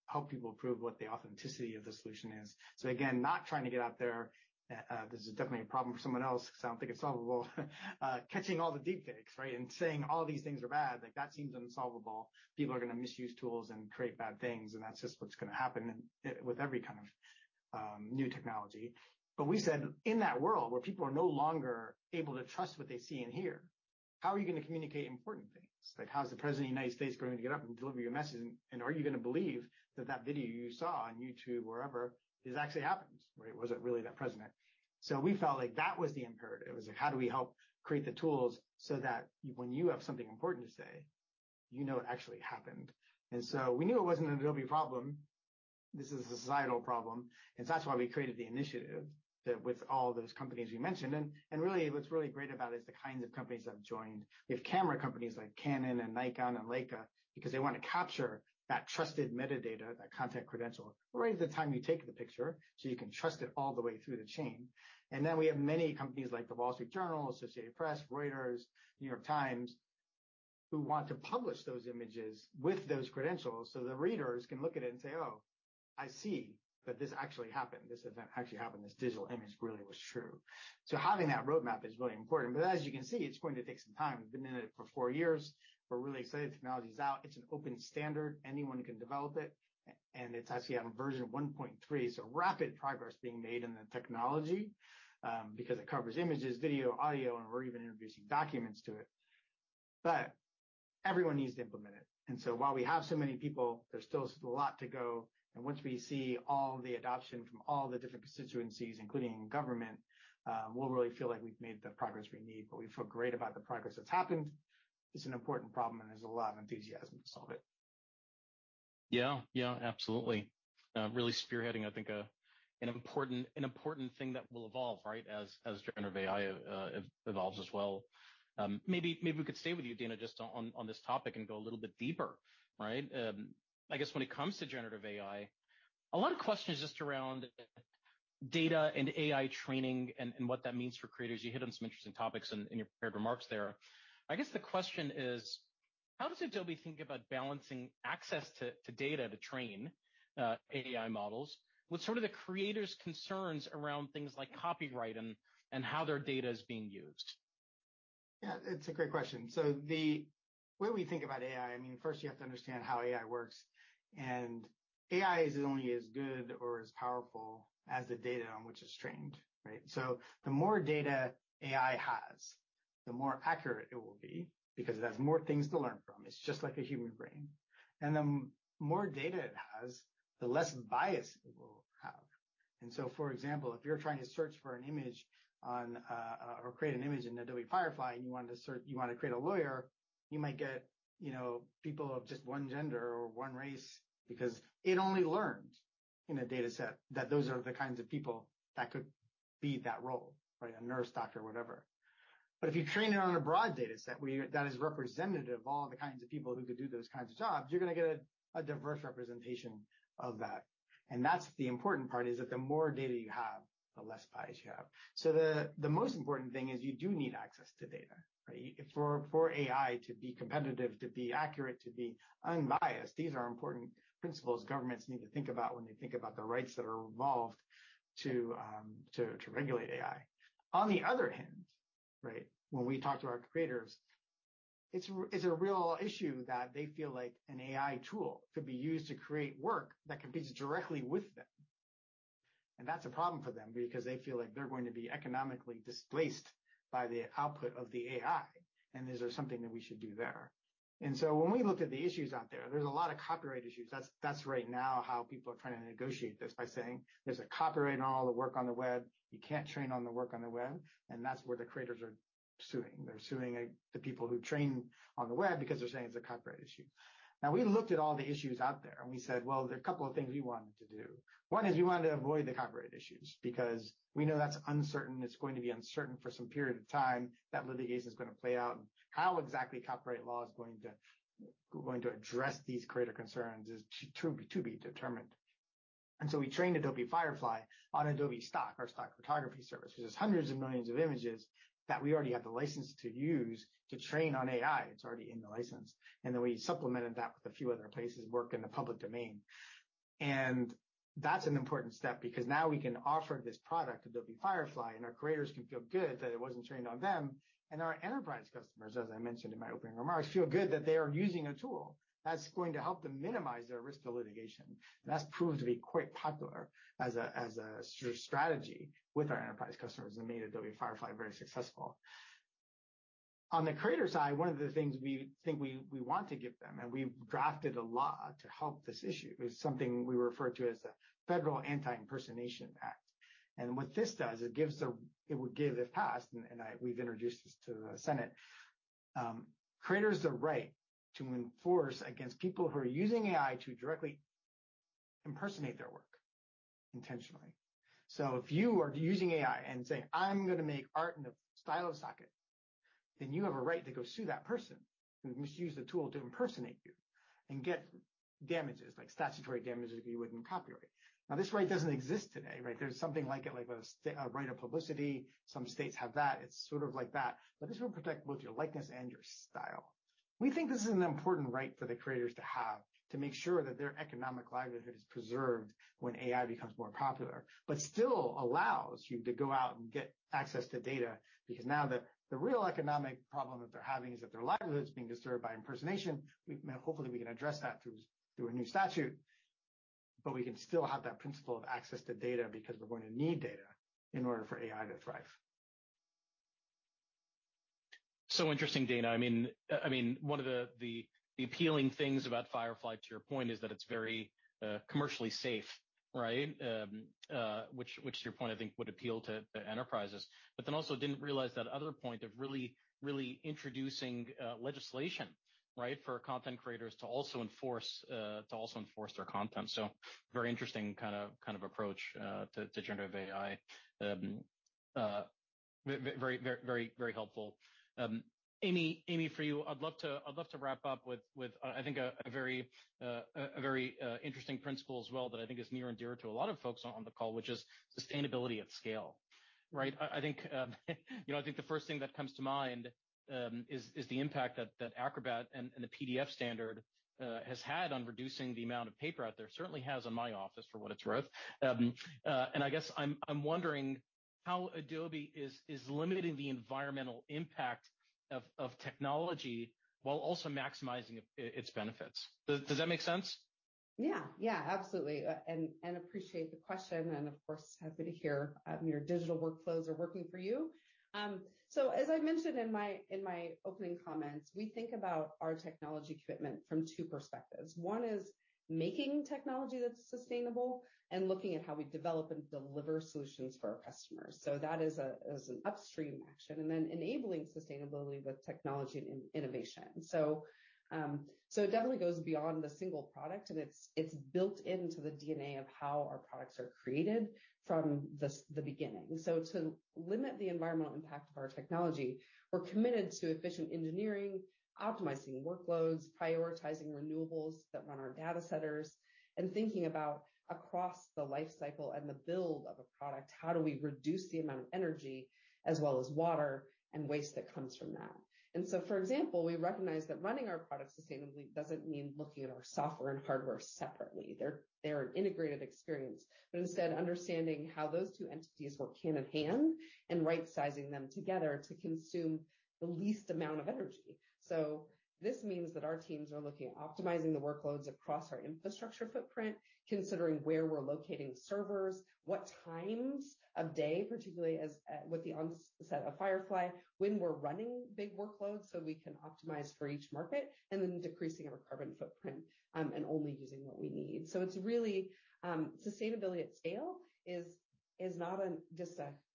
help people prove what the authenticity of the solution is? Again, not trying to get out there, this is definitely a problem for someone else because I don't think it's solvable. Catching all the deepfakes, right? Saying, all these things are bad, like, that seems unsolvable. People are going to misuse tools and create bad things, and that's just what's going to happen with every kind of new technology. We said, in that world where people are no longer able to trust what they see and hear. How are you going to communicate important things? Like, how is the President of the United States going to get up and deliver your message? Are you going to believe that that video you saw on YouTube, wherever, this actually happened, or was it really that president? We felt like that was the imperative. It was like: How do we help create the tools so that when you have something important to say, you know it actually happened. We knew it wasn't an Adobe problem. This is a societal problem, and that's why we created the initiative that with all those companies we mentioned. Really, what's really great about it is the kinds of companies that have joined. We have camera companies like Canon and Nikon and Leica, because they want to capture that trusted metadata, that Content Credentials, right at the time you take the picture, so you can trust it all the way through the chain. Then we have many companies like The Wall Street Journal, Associated Press, Reuters, The New York Times, who want to publish those images with those credentials so the readers can look at it and say, "Oh, I see that this actually happened. This event actually happened. This digital image really was true." Having that roadmap is really important, but as you can see, it's going to take some time. We've been in it for four years. We're really excited the technology is out. It's an open standard. Anyone can develop it, and it's actually on version 1.3. Rapid progress being made in the technology, because it covers images, video, audio, and we're even introducing documents to it, but everyone needs to implement it. While we have so many people, there's still a lot to go. Once we see all the adoption from all the different constituencies, including government, we'll really feel like we've made the progress we need. We feel great about the progress that's happened. It's an important problem, and there's a lot of enthusiasm to solve it. Yeah, yeah, absolutely. Really spearheading, I think, a, an important, an important thing that will evolve, right, as, as generative AI evolves as well. Maybe, maybe we could stay with you, Dana, just on, on this topic and go a little bit deeper, right? I guess when it comes to generative AI, a lot of questions just around data and AI training and, and what that means for creators. You hit on some interesting topics in, in your prepared remarks there. I guess the question is: How does Adobe think about balancing access to, to data to train AI models with sort of the creator's concerns around things like Copyright and, and how their data is being used? Yeah, it's a great question. The way we think about AI, I mean, first you have to understand how AI works, and AI is only as good or as powerful as the data on which it's trained, right? The more data AI has, the more accurate it will be because it has more things to learn from. It's just like a human brain. The more data it has, the less bias it will have. So, for example, if you're trying to search for an image on or create an image in Adobe Firefly, and you want to create a lawyer, you might get, you know, people of just one gender or one race because it only learned in a data set that those are the kinds of people that could be that role, right? A nurse, doctor, or whatever. If you train it on a broad data set, where that is representative of all the kinds of people who could do those kinds of jobs, you're going to get a diverse representation of that. That's the important part, is that the more data you have, the less bias you have. The most important thing is you do need access to data, right? For AI to be competitive, to be accurate, to be unbiased. These are important principles governments need to think about when they think about the rights that are involved to regulate AI. On the other hand, right, when we talk to our creators, it's a real issue that they feel like an AI tool could be used to create work that competes directly with them. That's a problem for them because they feel like they're going to be economically displaced by the output of the AI, and is there something that we should do there? When we looked at the issues out there, there's a lot of Copyright issues. That's right now how people are trying to negotiate this, by saying, "There's a Copyright on all the work on the web. You can't train on the work on the web." That's where the creators are suing. They're suing the people who train on the web because they're saying it's a Copyright issue. We looked at all the issues out there, and we said, well, there are a couple of things we wanted to do. One is we wanted to avoid the Copyright issues because we know that's uncertain. It's going to be uncertain for some period of time. That litigation is going to play out, and how exactly Copyright law is going to address these creator concerns is to be determined. So we trained Adobe Firefly on Adobe Stock, our stock photography service, which has hundreds of millions of images that we already have the license to use to train on AI. It's already in the license. Then we supplemented that with a few other places, work in the public domain. That's an important step because now we can offer this product, Adobe Firefly, and our creators can feel good that it wasn't trained on them. Our enterprise customers, as I mentioned in my opening remarks, feel good that they are using a tool that's going to help them minimize their risk of litigation. That's proved to be quite popular as a, as a strategy with our enterprise customers and made Adobe Firefly very successful. On the creator side, one of the things we think we, we want to give them, and we've drafted a law to help this issue, is something we refer to as the Federal Anti-Impersonation Act. What this does, it would give, if passed, we've introduced this to the Senate, creators the right to enforce against people who are using AI to directly impersonate their work intentionally. If you are using AI and saying, "I'm going to make art in the style of Socket," then you have a right to go sue that person who misused the tool to impersonate you and get damages, like statutory damages, if you were in Copyright. Now, this right doesn't exist today, right? There's something like it, like a right of publicity. Some states have that. It's sort of like that, but this will protect both your likeness and your style. We think this is an important right for the creators to have to make sure that their economic livelihood is preserved when AI becomes more popular, but still allows you to go out and get access to data, because now the, the real economic problem that they're having is that their livelihood is being disturbed by impersonation. And hopefully, we can address that through, through a new statute. We can still have that principle of access to data, because we're going to need data in order for AI to thrive. Interesting, Dana. I mean, I mean, one of the, the appealing things about Firefly, to your point, is that it's very commercially safe, right? Which, which to your point, I think would appeal to, to enterprises, then also didn't realize that other point of really, really introducing legislation, right, for content creators to also enforce, to also enforce their content. Very interesting kind of, kind of approach to, to generative AI. Very, very, very helpful. Amy, Amy, for you, I'd love to, I'd love to wrap up with, with, I think, a, a very interesting principle as well, that I think is near and dear to a lot of folks on the call, which is Sustainability at Scale, right? I, I think, you know, I think the first thing that comes to mind, is, is the impact that, that Acrobat and, and the PDF standard, has had on reducing the amount of paper out there. Certainly has on my office, for what it's worth. I guess I'm, I'm wondering how Adobe is, is limiting the environmental impact of, of technology while also maximizing its benefits. Does that make sense? Yeah, yeah, absolutely. And appreciate the question, and of course, happy to hear, your digital workflows are working for you. As I mentioned in my, in my opening comments, we think about our technology commitment from 2 perspectives. One is making technology that's sustainable and looking at how we develop and deliver solutions for our customers. That is a, is an upstream action, and then enabling sustainability with technology and innovation. It definitely goes beyond the single product, and it's, it's built into the DNA of how our products are created from the the beginning. To limit the environmental impact of our technology, we're committed to efficient engineering, optimizing workloads, prioritizing renewables that run our data centers, and thinking about across the life cycle and the build of a product, how do we reduce the amount of energy as well as water and waste that comes from that. For example, we recognize that running our products sustainably doesn't mean looking at our software and hardware separately. They're an integrated experience, but instead understanding how those two entities work hand in hand and right-sizing them together to consume the least amount of energy. This means that our teams are looking at optimizing the workloads across our infrastructure footprint, considering where we're locating servers, what times of day, particularly as with the onset of Firefly, when we're running big workloads, so we can optimize for each market, and then decreasing our carbon footprint, and only using what we need. It's really, Sustainability at Scale is not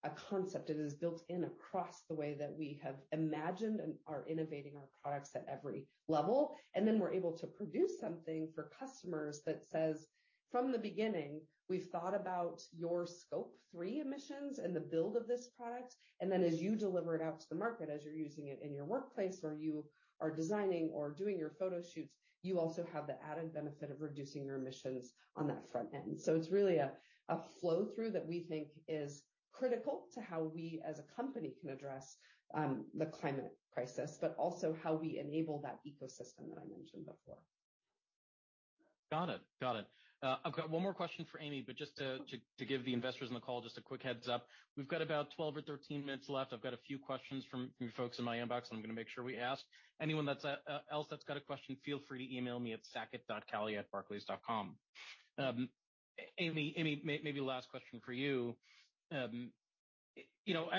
a concept. It is built in across the way that we have imagined and are innovating our products at every level. Then we're able to produce something for customers that says: From the beginning, we've thought about your Scope 3 emissions and the build of this product, and then as you deliver it out to the market, as you're using it in your workplace, or you are designing or doing your photo shoots, you also have the added benefit of reducing your emissions on that front end. It's really a, a flow-through that we think is critical to how we as a company can address the climate crisis, but also how we enable that ecosystem that I mentioned before. Got it. Got it. I've got one more question for Amy, but just to, to, to give the investors on the call, just a quick heads-up, we've got about 12 or 13 minutes left. I've got a few questions from, from folks in my inbox, and I'm going to make sure we ask. Anyone that's else that's got a question, feel free to email me at saket.kalia@barclays.com. Amy, Amy, maybe last question for you. You know,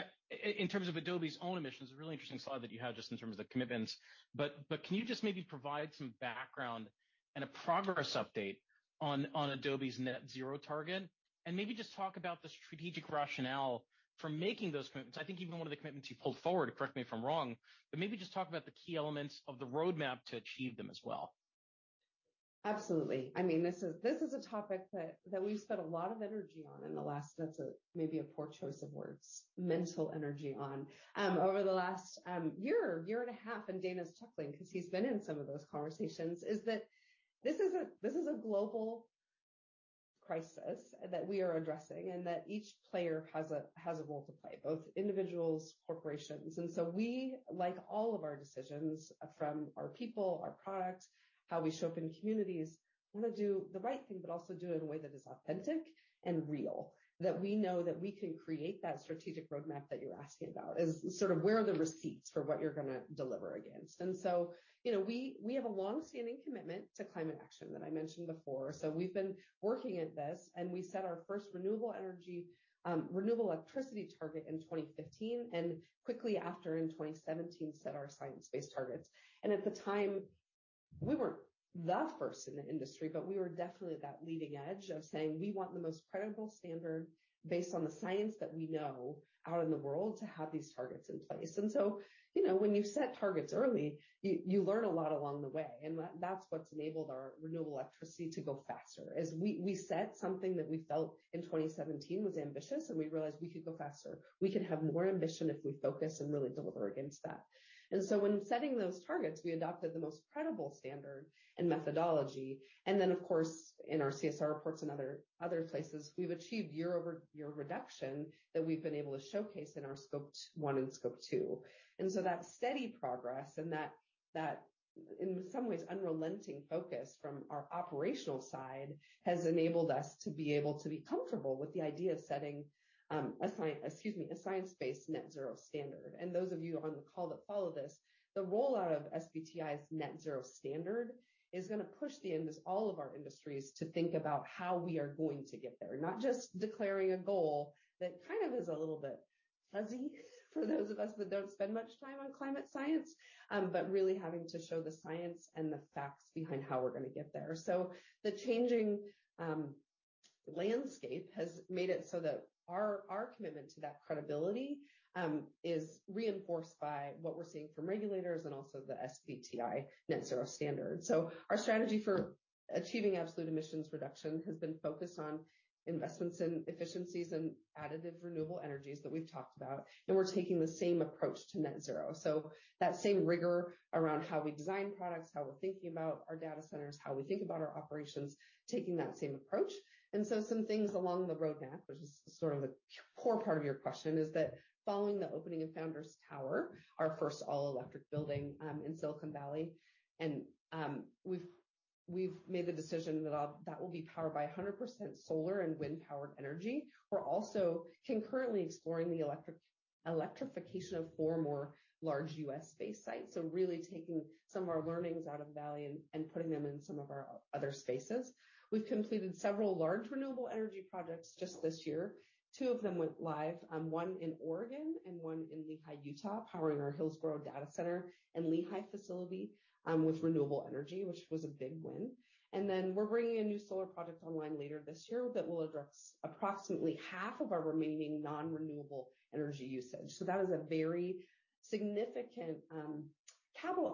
in terms of Adobe's own emissions, a really interesting slide that you have just in terms of the commitments, but, but can you just maybe provide some background and a progress update on, on Adobe's net zero target, and maybe just talk about the strategic rationale for making those commitments? I think even one of the commitments you pulled forward, correct me if I'm wrong, maybe just talk about the key elements of the roadmap to achieve them as well. Absolutely. I mean, this is, this is a topic that, that we've spent a lot of energy on in the last. That's a, maybe a poor choice of words, mental energy on, over the last year, year and a half, and Dana's chuckling because he's been in some of those conversations, is that this is a, this is a global crisis that we are addressing, and that each player has a, has a role to play, both individuals, corporations. So we, like all of our decisions from our people, our products, how we show up in communities, want to do the right thing, but also do it in a way that is authentic and real, that we know that we can create that strategic roadmap that you're asking about. Is sort of where are the receipts for what you're going to deliver against? You know, we, we have a long-standing commitment to climate action that I mentioned before. We've been working at this, and we set our first renewable energy, renewable electricity target in 2015 and quickly after, in 2017, set our Science-Based Targets. At the time, we weren't the first in the industry, but we were definitely that leading edge of saying: We want the most credible standard based on the science that we know out in the world to have these targets in place. You know, when you set targets early, you, you learn a lot along the way, and that's what's enabled our renewable electricity to go faster. As we, we set something that we felt in 2017 was ambitious, and we realized we could go faster. We could have more ambition if we focus and really deliver against that. When setting those targets, we adopted the most credible standard and methodology, and then, of course, in our CSR reports and other, other places, we've achieved year-over-year reduction that we've been able to showcase in our Scope 1 and Scope 2. That steady progress and that, that, in some ways, unrelenting focus from our operational side has enabled us to be able to be comfortable with the idea of setting, excuse me, a science-based net zero standard. Those of you on the call that follow this, the rollout of SBTi's net zero standard is going to push all of our industries to think about how we are going to get there, not just declaring a goal that kind of is a little bit fuzzy. For those of us that don't spend much time on climate science, but really having to show the science and the facts behind how we're gonna get there. The changing landscape has made it so that our, our commitment to that credibility is reinforced by what we're seeing from regulators and also the SBTi Corporate Net-Zero Standard. Our strategy for achieving absolute emissions reduction has been focused on investments in efficiencies and additive renewable energies that we've talked about, and we're taking the same approach to net zero. That same rigor around how we design products, how we're thinking about our data centers, how we think about our operations, taking that same approach. Some things along the roadmap, which is sort of the core part of your question, is that following the opening of Founders Tower, our first all-electric building in Silicon Valley, we've made the decision that will be powered by 100% solar and wind-powered energy. We're also concurrently exploring the electrification of 4 more large U.S.-based sites. Really taking some of our learnings out of Valley and putting them in some of our other spaces. We've completed several large renewable energy projects just this year. Two of them went live, one in Oregon and one in Lehi, Utah, powering our Hillsboro Data Center and Lehi facility, with renewable energy, which was a big win. Then we're bringing a new solar project online later this year that will address approximately half of our remaining non-renewable energy usage. That is a very significant capital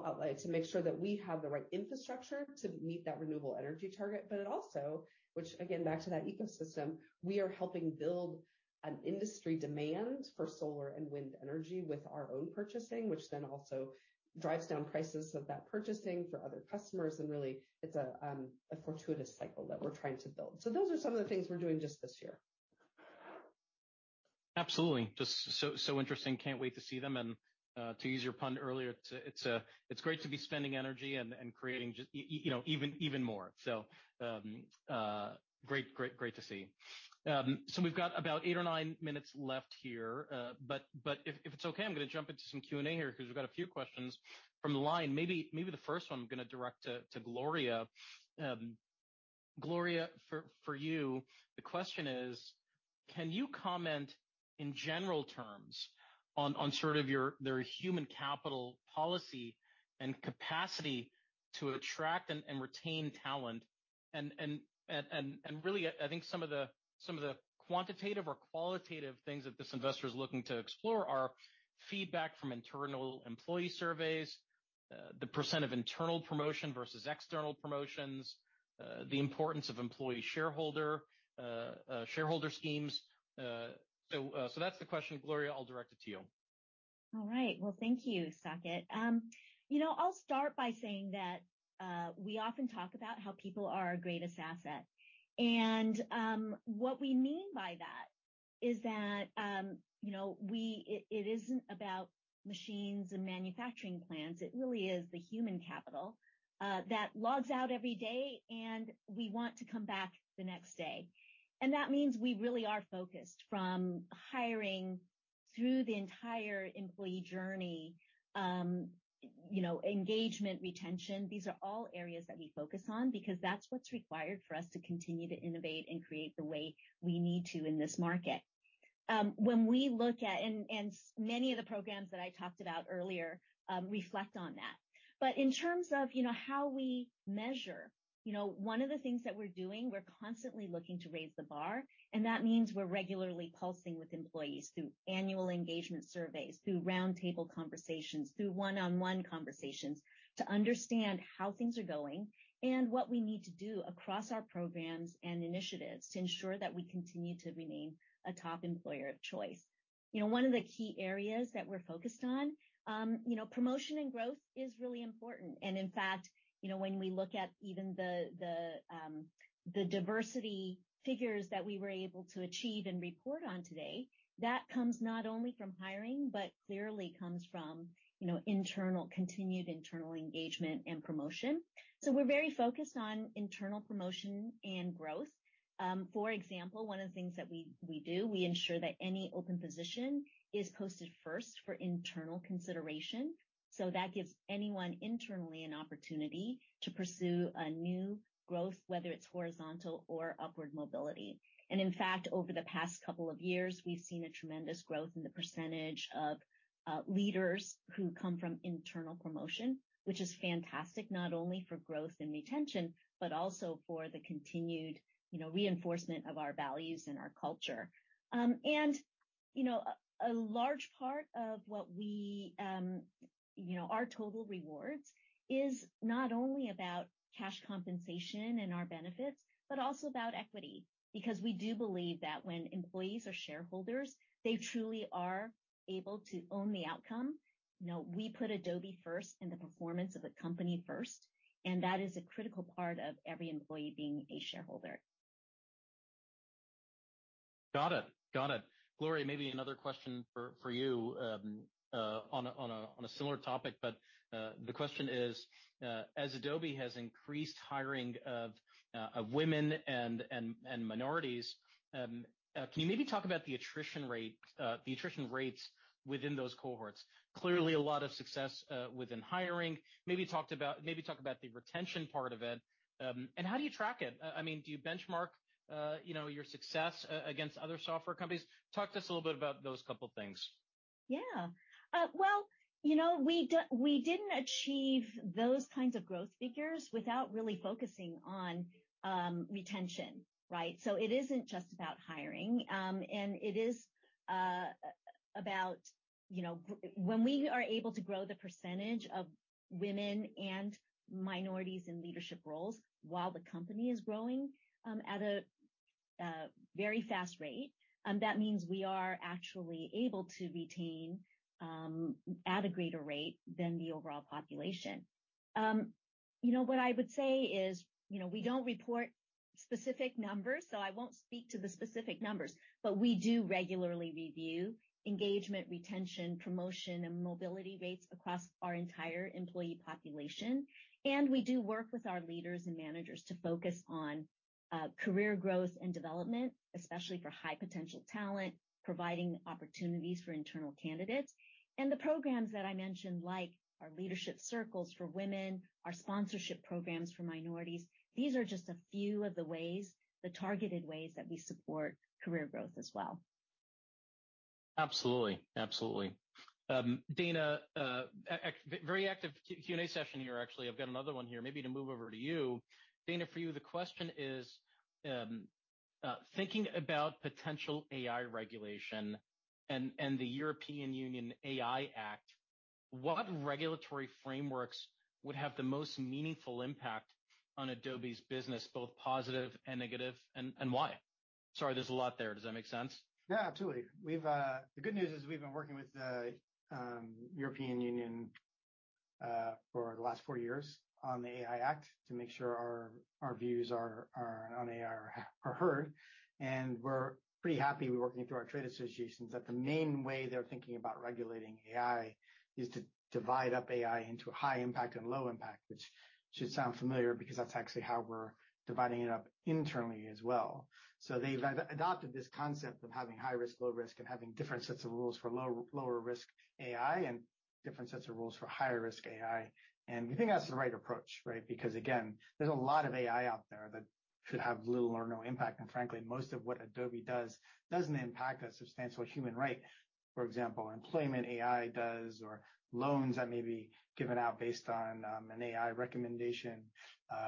outlay to make sure that we have the right infrastructure to meet that renewable energy target. It also, which again, back to that ecosystem, we are helping build an industry demand for solar and wind energy with our own purchasing, which then also drives down prices of that purchasing for other customers, and really, it's a fortuitous cycle that we're trying to build. Those are some of the things we're doing just this year. Absolutely. Just so, so interesting. Can't wait to see them. To use your pun earlier, it's a, it's a, it's great to be spending energy and, and creating just you know, even, even more. Great, great, great to see. We've got about 8 or 9 minutes left here. But if, if it's okay, I'm gonna jump into some Q&A here because we've got a few questions from the line. Maybe, maybe the first one I'm gonna direct to, to Gloria. Gloria, for, for you, the question is: Can you comment in general terms on, on sort of your, their human capital policy and capacity to attract and, and retain talent? Really, I, I think some of the, some of the quantitative or qualitative things that this investor is looking to explore are feedback from internal employee surveys, the % of internal promotion versus external promotions, the importance of employee shareholder, shareholder schemes. So that's the question, Gloria. I'll direct it to you. All right. Well, thank you, Saket. You know, I'll start by saying that we often talk about how people are our greatest asset, and what we mean by that is that, you know, it isn't about machines and manufacturing plants. It really is the human capital that logs out every day, and we want to come back the next day. That means we really are focused from hiring through the entire employee journey, you know, engagement, retention. These are all areas that we focus on because that's what's required for us to continue to innovate and create the way we need to in this market. When we look at, and many of the programs that I talked about earlier, reflect on that. In terms of, you know, how we measure, you know, one of the things that we're doing, we're constantly looking to raise the bar, and that means we're regularly pulsing with employees through annual engagement surveys, through roundtable conversations, through one-on-one conversations, to understand how things are going and what we need to do across our programs and initiatives to ensure that we continue to remain a top employer of choice. You know, one of the key areas that we're focused on, you know, promotion and growth is really important. In fact, you know, when we look at even the, the, the diversity figures that we were able to achieve and report on today, that comes not only from hiring, but clearly comes from, you know, continued internal engagement and promotion. We're very focused on internal promotion and growth. For example, one of the things that we, we do, we ensure that any open position is posted first for internal consideration. That gives anyone internally an opportunity to pursue a new growth, whether it's horizontal or upward mobility. In fact, over the past couple of years, we've seen a tremendous growth in the percentage of leaders who come from internal promotion, which is fantastic, not only for growth and retention, but also for the continued, you know, reinforcement of our values and our culture. You know, a large part of what we, you know, our total rewards is not only about cash compensation and our benefits, but also about equity, because we do believe that when employees are shareholders, they truly are able to own the outcome. You know, we put Adobe first and the performance of the company first, and that is a critical part of every employee being a shareholder. Got it. Got it. Gloria, maybe another question for, for you, on a, on a, on a similar topic, but the question is, as Adobe has increased hiring of, of women and, and, and minorities, can you maybe talk about the attrition rate, the attrition rates within those cohorts? Clearly, a lot of success within hiring. Maybe talk about the retention part of it, and how do you track it? I mean, do you benchmark, you know, your success against other software companies? Talk to us a little bit about those couple things. Yeah. Well, you know, we didn't achieve those kinds of growth figures without really focusing on retention, right? So it isn't just about hiring, and it is about, you know, when we are able to grow the percentage of women and minorities in leadership roles while the company is growing at a very fast rate, that means we are actually able to retain at a greater rate than the overall population. You know, what I would say is, you know, we don't report specific numbers, so I won't speak to the specific numbers, but we do regularly review engagement, retention, promotion, and mobility rates across our entire employee population. We do work with our leaders and managers to focus on career growth and development, especially for high-potential talent, providing opportunities for internal candidates. The programs that I mentioned, like our Leadership Circles for women, our sponsorship programs for minorities, these are just a few of the ways, the targeted ways, that we support career growth as well. Absolutely. Absolutely. Dana, very active Q, Q&A session here, actually. I've got another one here, maybe to move over to you. Dana, for you, the question is, thinking about potential AI regulation and the European Union AI Act, what regulatory frameworks would have the most meaningful impact on Adobe's business, both positive and negative, and why? Sorry, there's a lot there. Does that make sense? Yeah, absolutely. We've, the good news is we've been working with the European Union for the last 4 years on the AI Act to make sure our, our views are, are on AI are, are heard, and we're pretty happy. We're working through our trade associations, that the main way they're thinking about regulating AI is to divide up AI into high impact and low impact, which should sound familiar, because that's actually how we're dividing it up internally as well. They've adopted this concept of having high risk, low risk, and having different sets of rules for low, lower risk AI, and different sets of rules for higher risk AI. We think that's the right approach, right? Again, there's a lot of AI out there that should have little or no impact. Frankly, most of what Adobe does, doesn't impact a substantial human right. For example, employment AI does, or loans that may be given out based on an AI recommendation,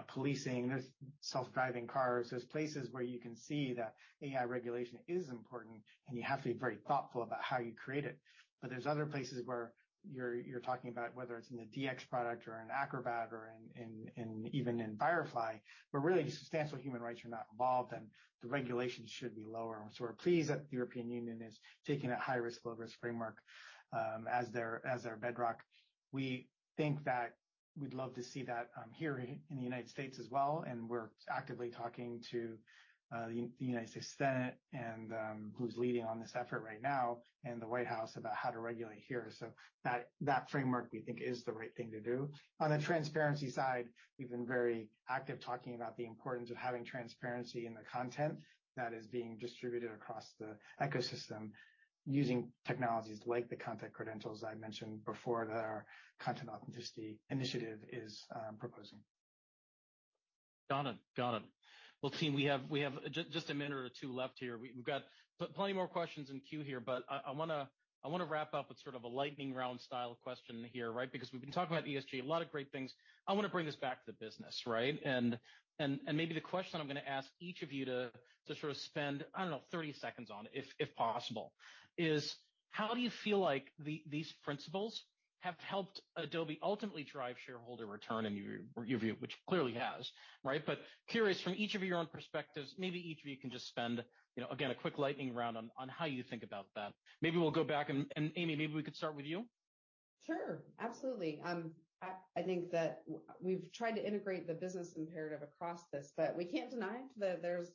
policing. There's self-driving cars. There's places where you can see that AI regulation is important, and you have to be very thoughtful about how you create it. There's other places where you're, you're talking about, whether it's in the DX product or in Acrobat or in, in, in even in Firefly, where really substantial human rights are not involved, and the regulations should be lower. We're pleased that the European Union is taking a high-risk, low-risk framework as their, as their bedrock. We think that we'd love to see that, here in, in the United States as well. We're actively talking to the United States Senate and who's leading on this effort right now and the White House about how to regulate here. That, that framework, we think, is the right thing to do. On the transparency side, we've been very active talking about the importance of having transparency in the content that is being distributed across the ecosystem, using technologies like the Content Credentials I mentioned before, that our Content Authenticity Initiative is proposing. Got it. Got it. Well, team, we have, we have just a minute or two left here. We've got plenty more questions in queue here, but I, I wanna, I wanna wrap up with sort of a lightning round style question here, right? Because we've been talking about ESG, a lot of great things. I want to bring this back to the business, right? Maybe the question I'm going to ask each of you to, to sort of spend, I don't know, 30 seconds on, if, if possible, is: how do you feel like these principles have helped Adobe ultimately drive shareholder return in your view, which clearly has, right? But curious from each of your own perspectives, maybe each of you can just spend, you know, again, a quick lightning round on, on how you think about that. Maybe we'll go back, and Amy, maybe we could start with you. Sure, absolutely. I, I think that we've tried to integrate the business imperative across this, but we can't deny that there's,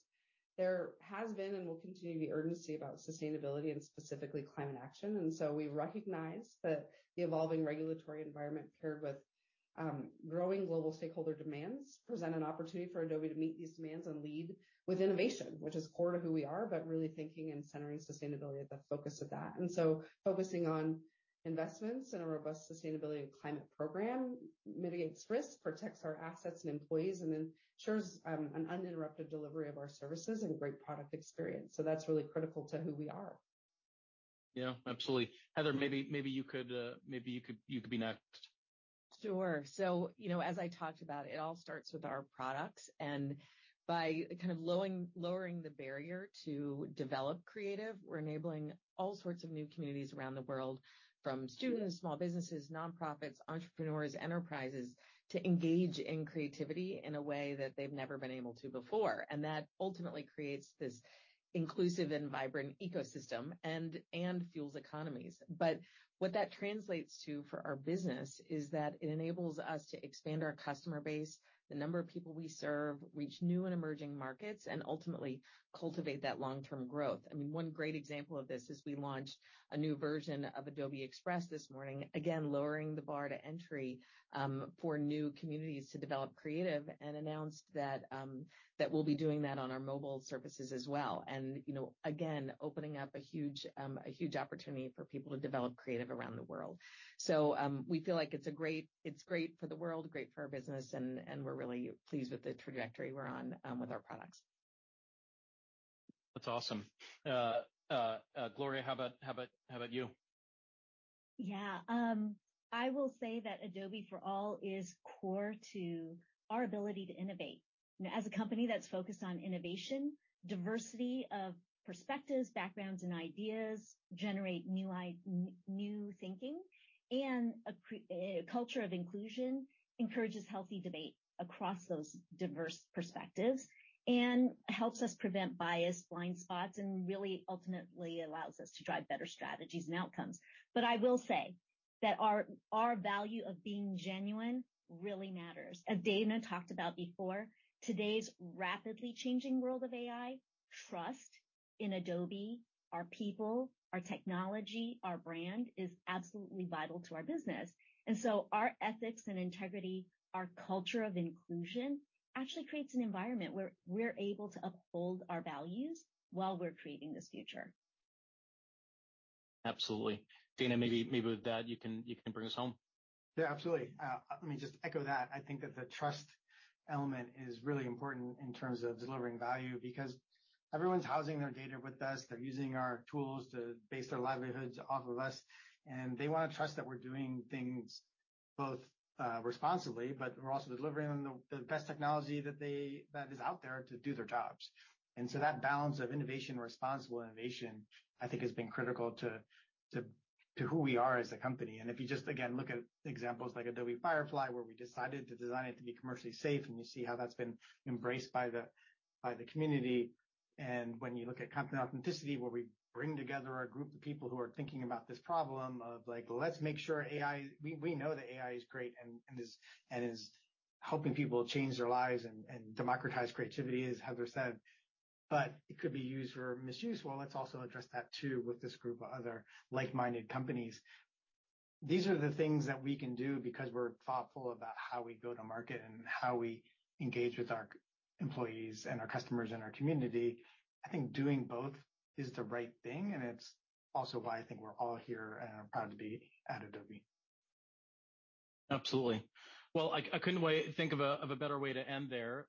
there has been and will continue to be urgency about sustainability and specifically climate action. We recognize that the evolving regulatory environment, paired with growing global stakeholder demands, present an opportunity for Adobe to meet these demands and lead with innovation, which is core to who we are, but really thinking and centering sustainability at the focus of that. Focusing on investments and a robust sustainability and climate program mitigates risk, protects our assets and employees, ensures an uninterrupted delivery of our services and great product experience. That's really critical to who we are. Yeah, absolutely. Heather, maybe, maybe you could, maybe you could, you could be next. Sure. you know, as I talked about, it all starts with our products, and by kind of lowering the barrier to develop creative, we're enabling all sorts of new communities around the world, from students, small businesses, nonprofits, entrepreneurs, enterprises, to engage in creativity in a way that they've never been able to before. That ultimately creates this inclusive and vibrant ecosystem and, and fuels economies. What that translates to for our business is that it enables us to expand our customer base, the number of people we serve, reach new and emerging markets, and ultimately cultivate that long-term growth. I mean, one great example of this is we launched a new version of Adobe Express this morning, again, lowering the bar to entry, for new communities to develop creative, and announced that, that we'll be doing that on our mobile services as well. You know, again, opening up a huge, a huge opportunity for people to develop creative around the world. We feel like it's great for the world, great for our business, and, and we're really pleased with the trajectory we're on, with our products.... That's awesome. Gloria, how about, how about, how about you? I will say that Adobe for All is core to our ability to innovate. As a company that's focused on innovation, diversity of perspectives, backgrounds, and ideas generate new thinking, and a culture of inclusion encourages healthy debate across those diverse perspectives and helps us prevent bias, blind spots, and really ultimately allows us to drive better strategies and outcomes. I will say that our, our value of being genuine really matters. As Dana talked about before, today's rapidly changing world of AI, trust in Adobe, our people, our technology, our brand is absolutely vital to our business. Our ethics and integrity, our culture of inclusion actually creates an environment where we're able to uphold our values while we're creating this future. Absolutely. Dana, maybe, maybe with that, you can, you can bring us home. Yeah, absolutely. let me just echo that. I think that the trust element is really important in terms of delivering value, because everyone's housing their data with us. They're using our tools to base their livelihoods off of us, and they want to trust that we're doing things both responsibly, but we're also delivering them the best technology that is out there to do their jobs. So that balance of innovation, responsible innovation, I think, has been critical to who we are as a company. If you just, again, look at examples like Adobe Firefly, where we decided to design it to be commercially safe, and you see how that's been embraced by the community. When you look at company authenticity, where we bring together a group of people who are thinking about this problem of, like, let's make sure AI. We know that AI is great and is helping people change their lives and democratize creativity, as Heather said, but it could be used for misuse. Let's also address that, too, with this group of other like-minded companies. These are the things that we can do because we're thoughtful about how we go to market and how we engage with our employees and our customers and our community. I think doing both is the right thing, and it's also why I think we're all here, and I'm proud to be at Adobe. Absolutely. Well, I, I couldn't think of a better way to end there.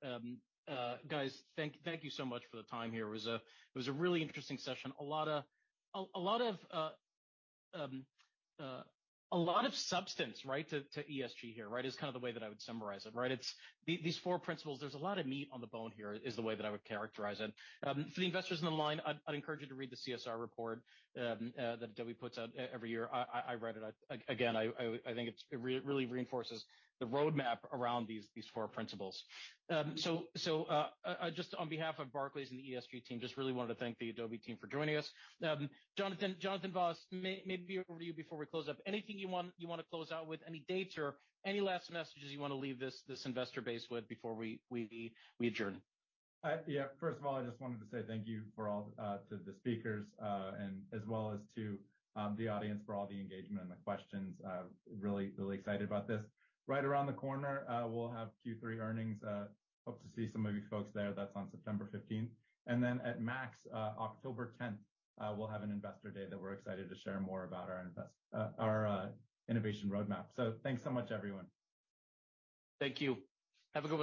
Guys, thank you so much for the time here. It was a really interesting session. A lot of substance, right, to ESG here, right? Is kind of the way that I would summarize it, right? These four principles. There's a lot of meat on the bone here, is the way that I would characterize it. For the investors on the line, I'd, I'd encourage you to read the CSR report that Adobe puts out every year. I, I, I read it. Again, I, I, I think it's, it really reinforces the roadmap around these, these four principles. Just on behalf of Barclays and the ESG team, just really wanted to thank the Adobe team for joining us. Jonathan, Jonathan Vaas, maybe over to you before we close up. Anything you want, you want to close out with, any dates or any last messages you want to leave this, this investor base with before we, we, we adjourn? Yeah. First of all, I just wanted to say thank you for all to the speakers, and as well as to the audience, for all the engagement and the questions. Really, really excited about this. Right around the corner, we'll have Q3 earnings. Hope to see some of you folks there. That's on September 15th. At Adobe MAX, October 10th, we'll have an investor day that we're excited to share more about our innovation roadmap. Thanks so much, everyone. Thank you. Have a good night.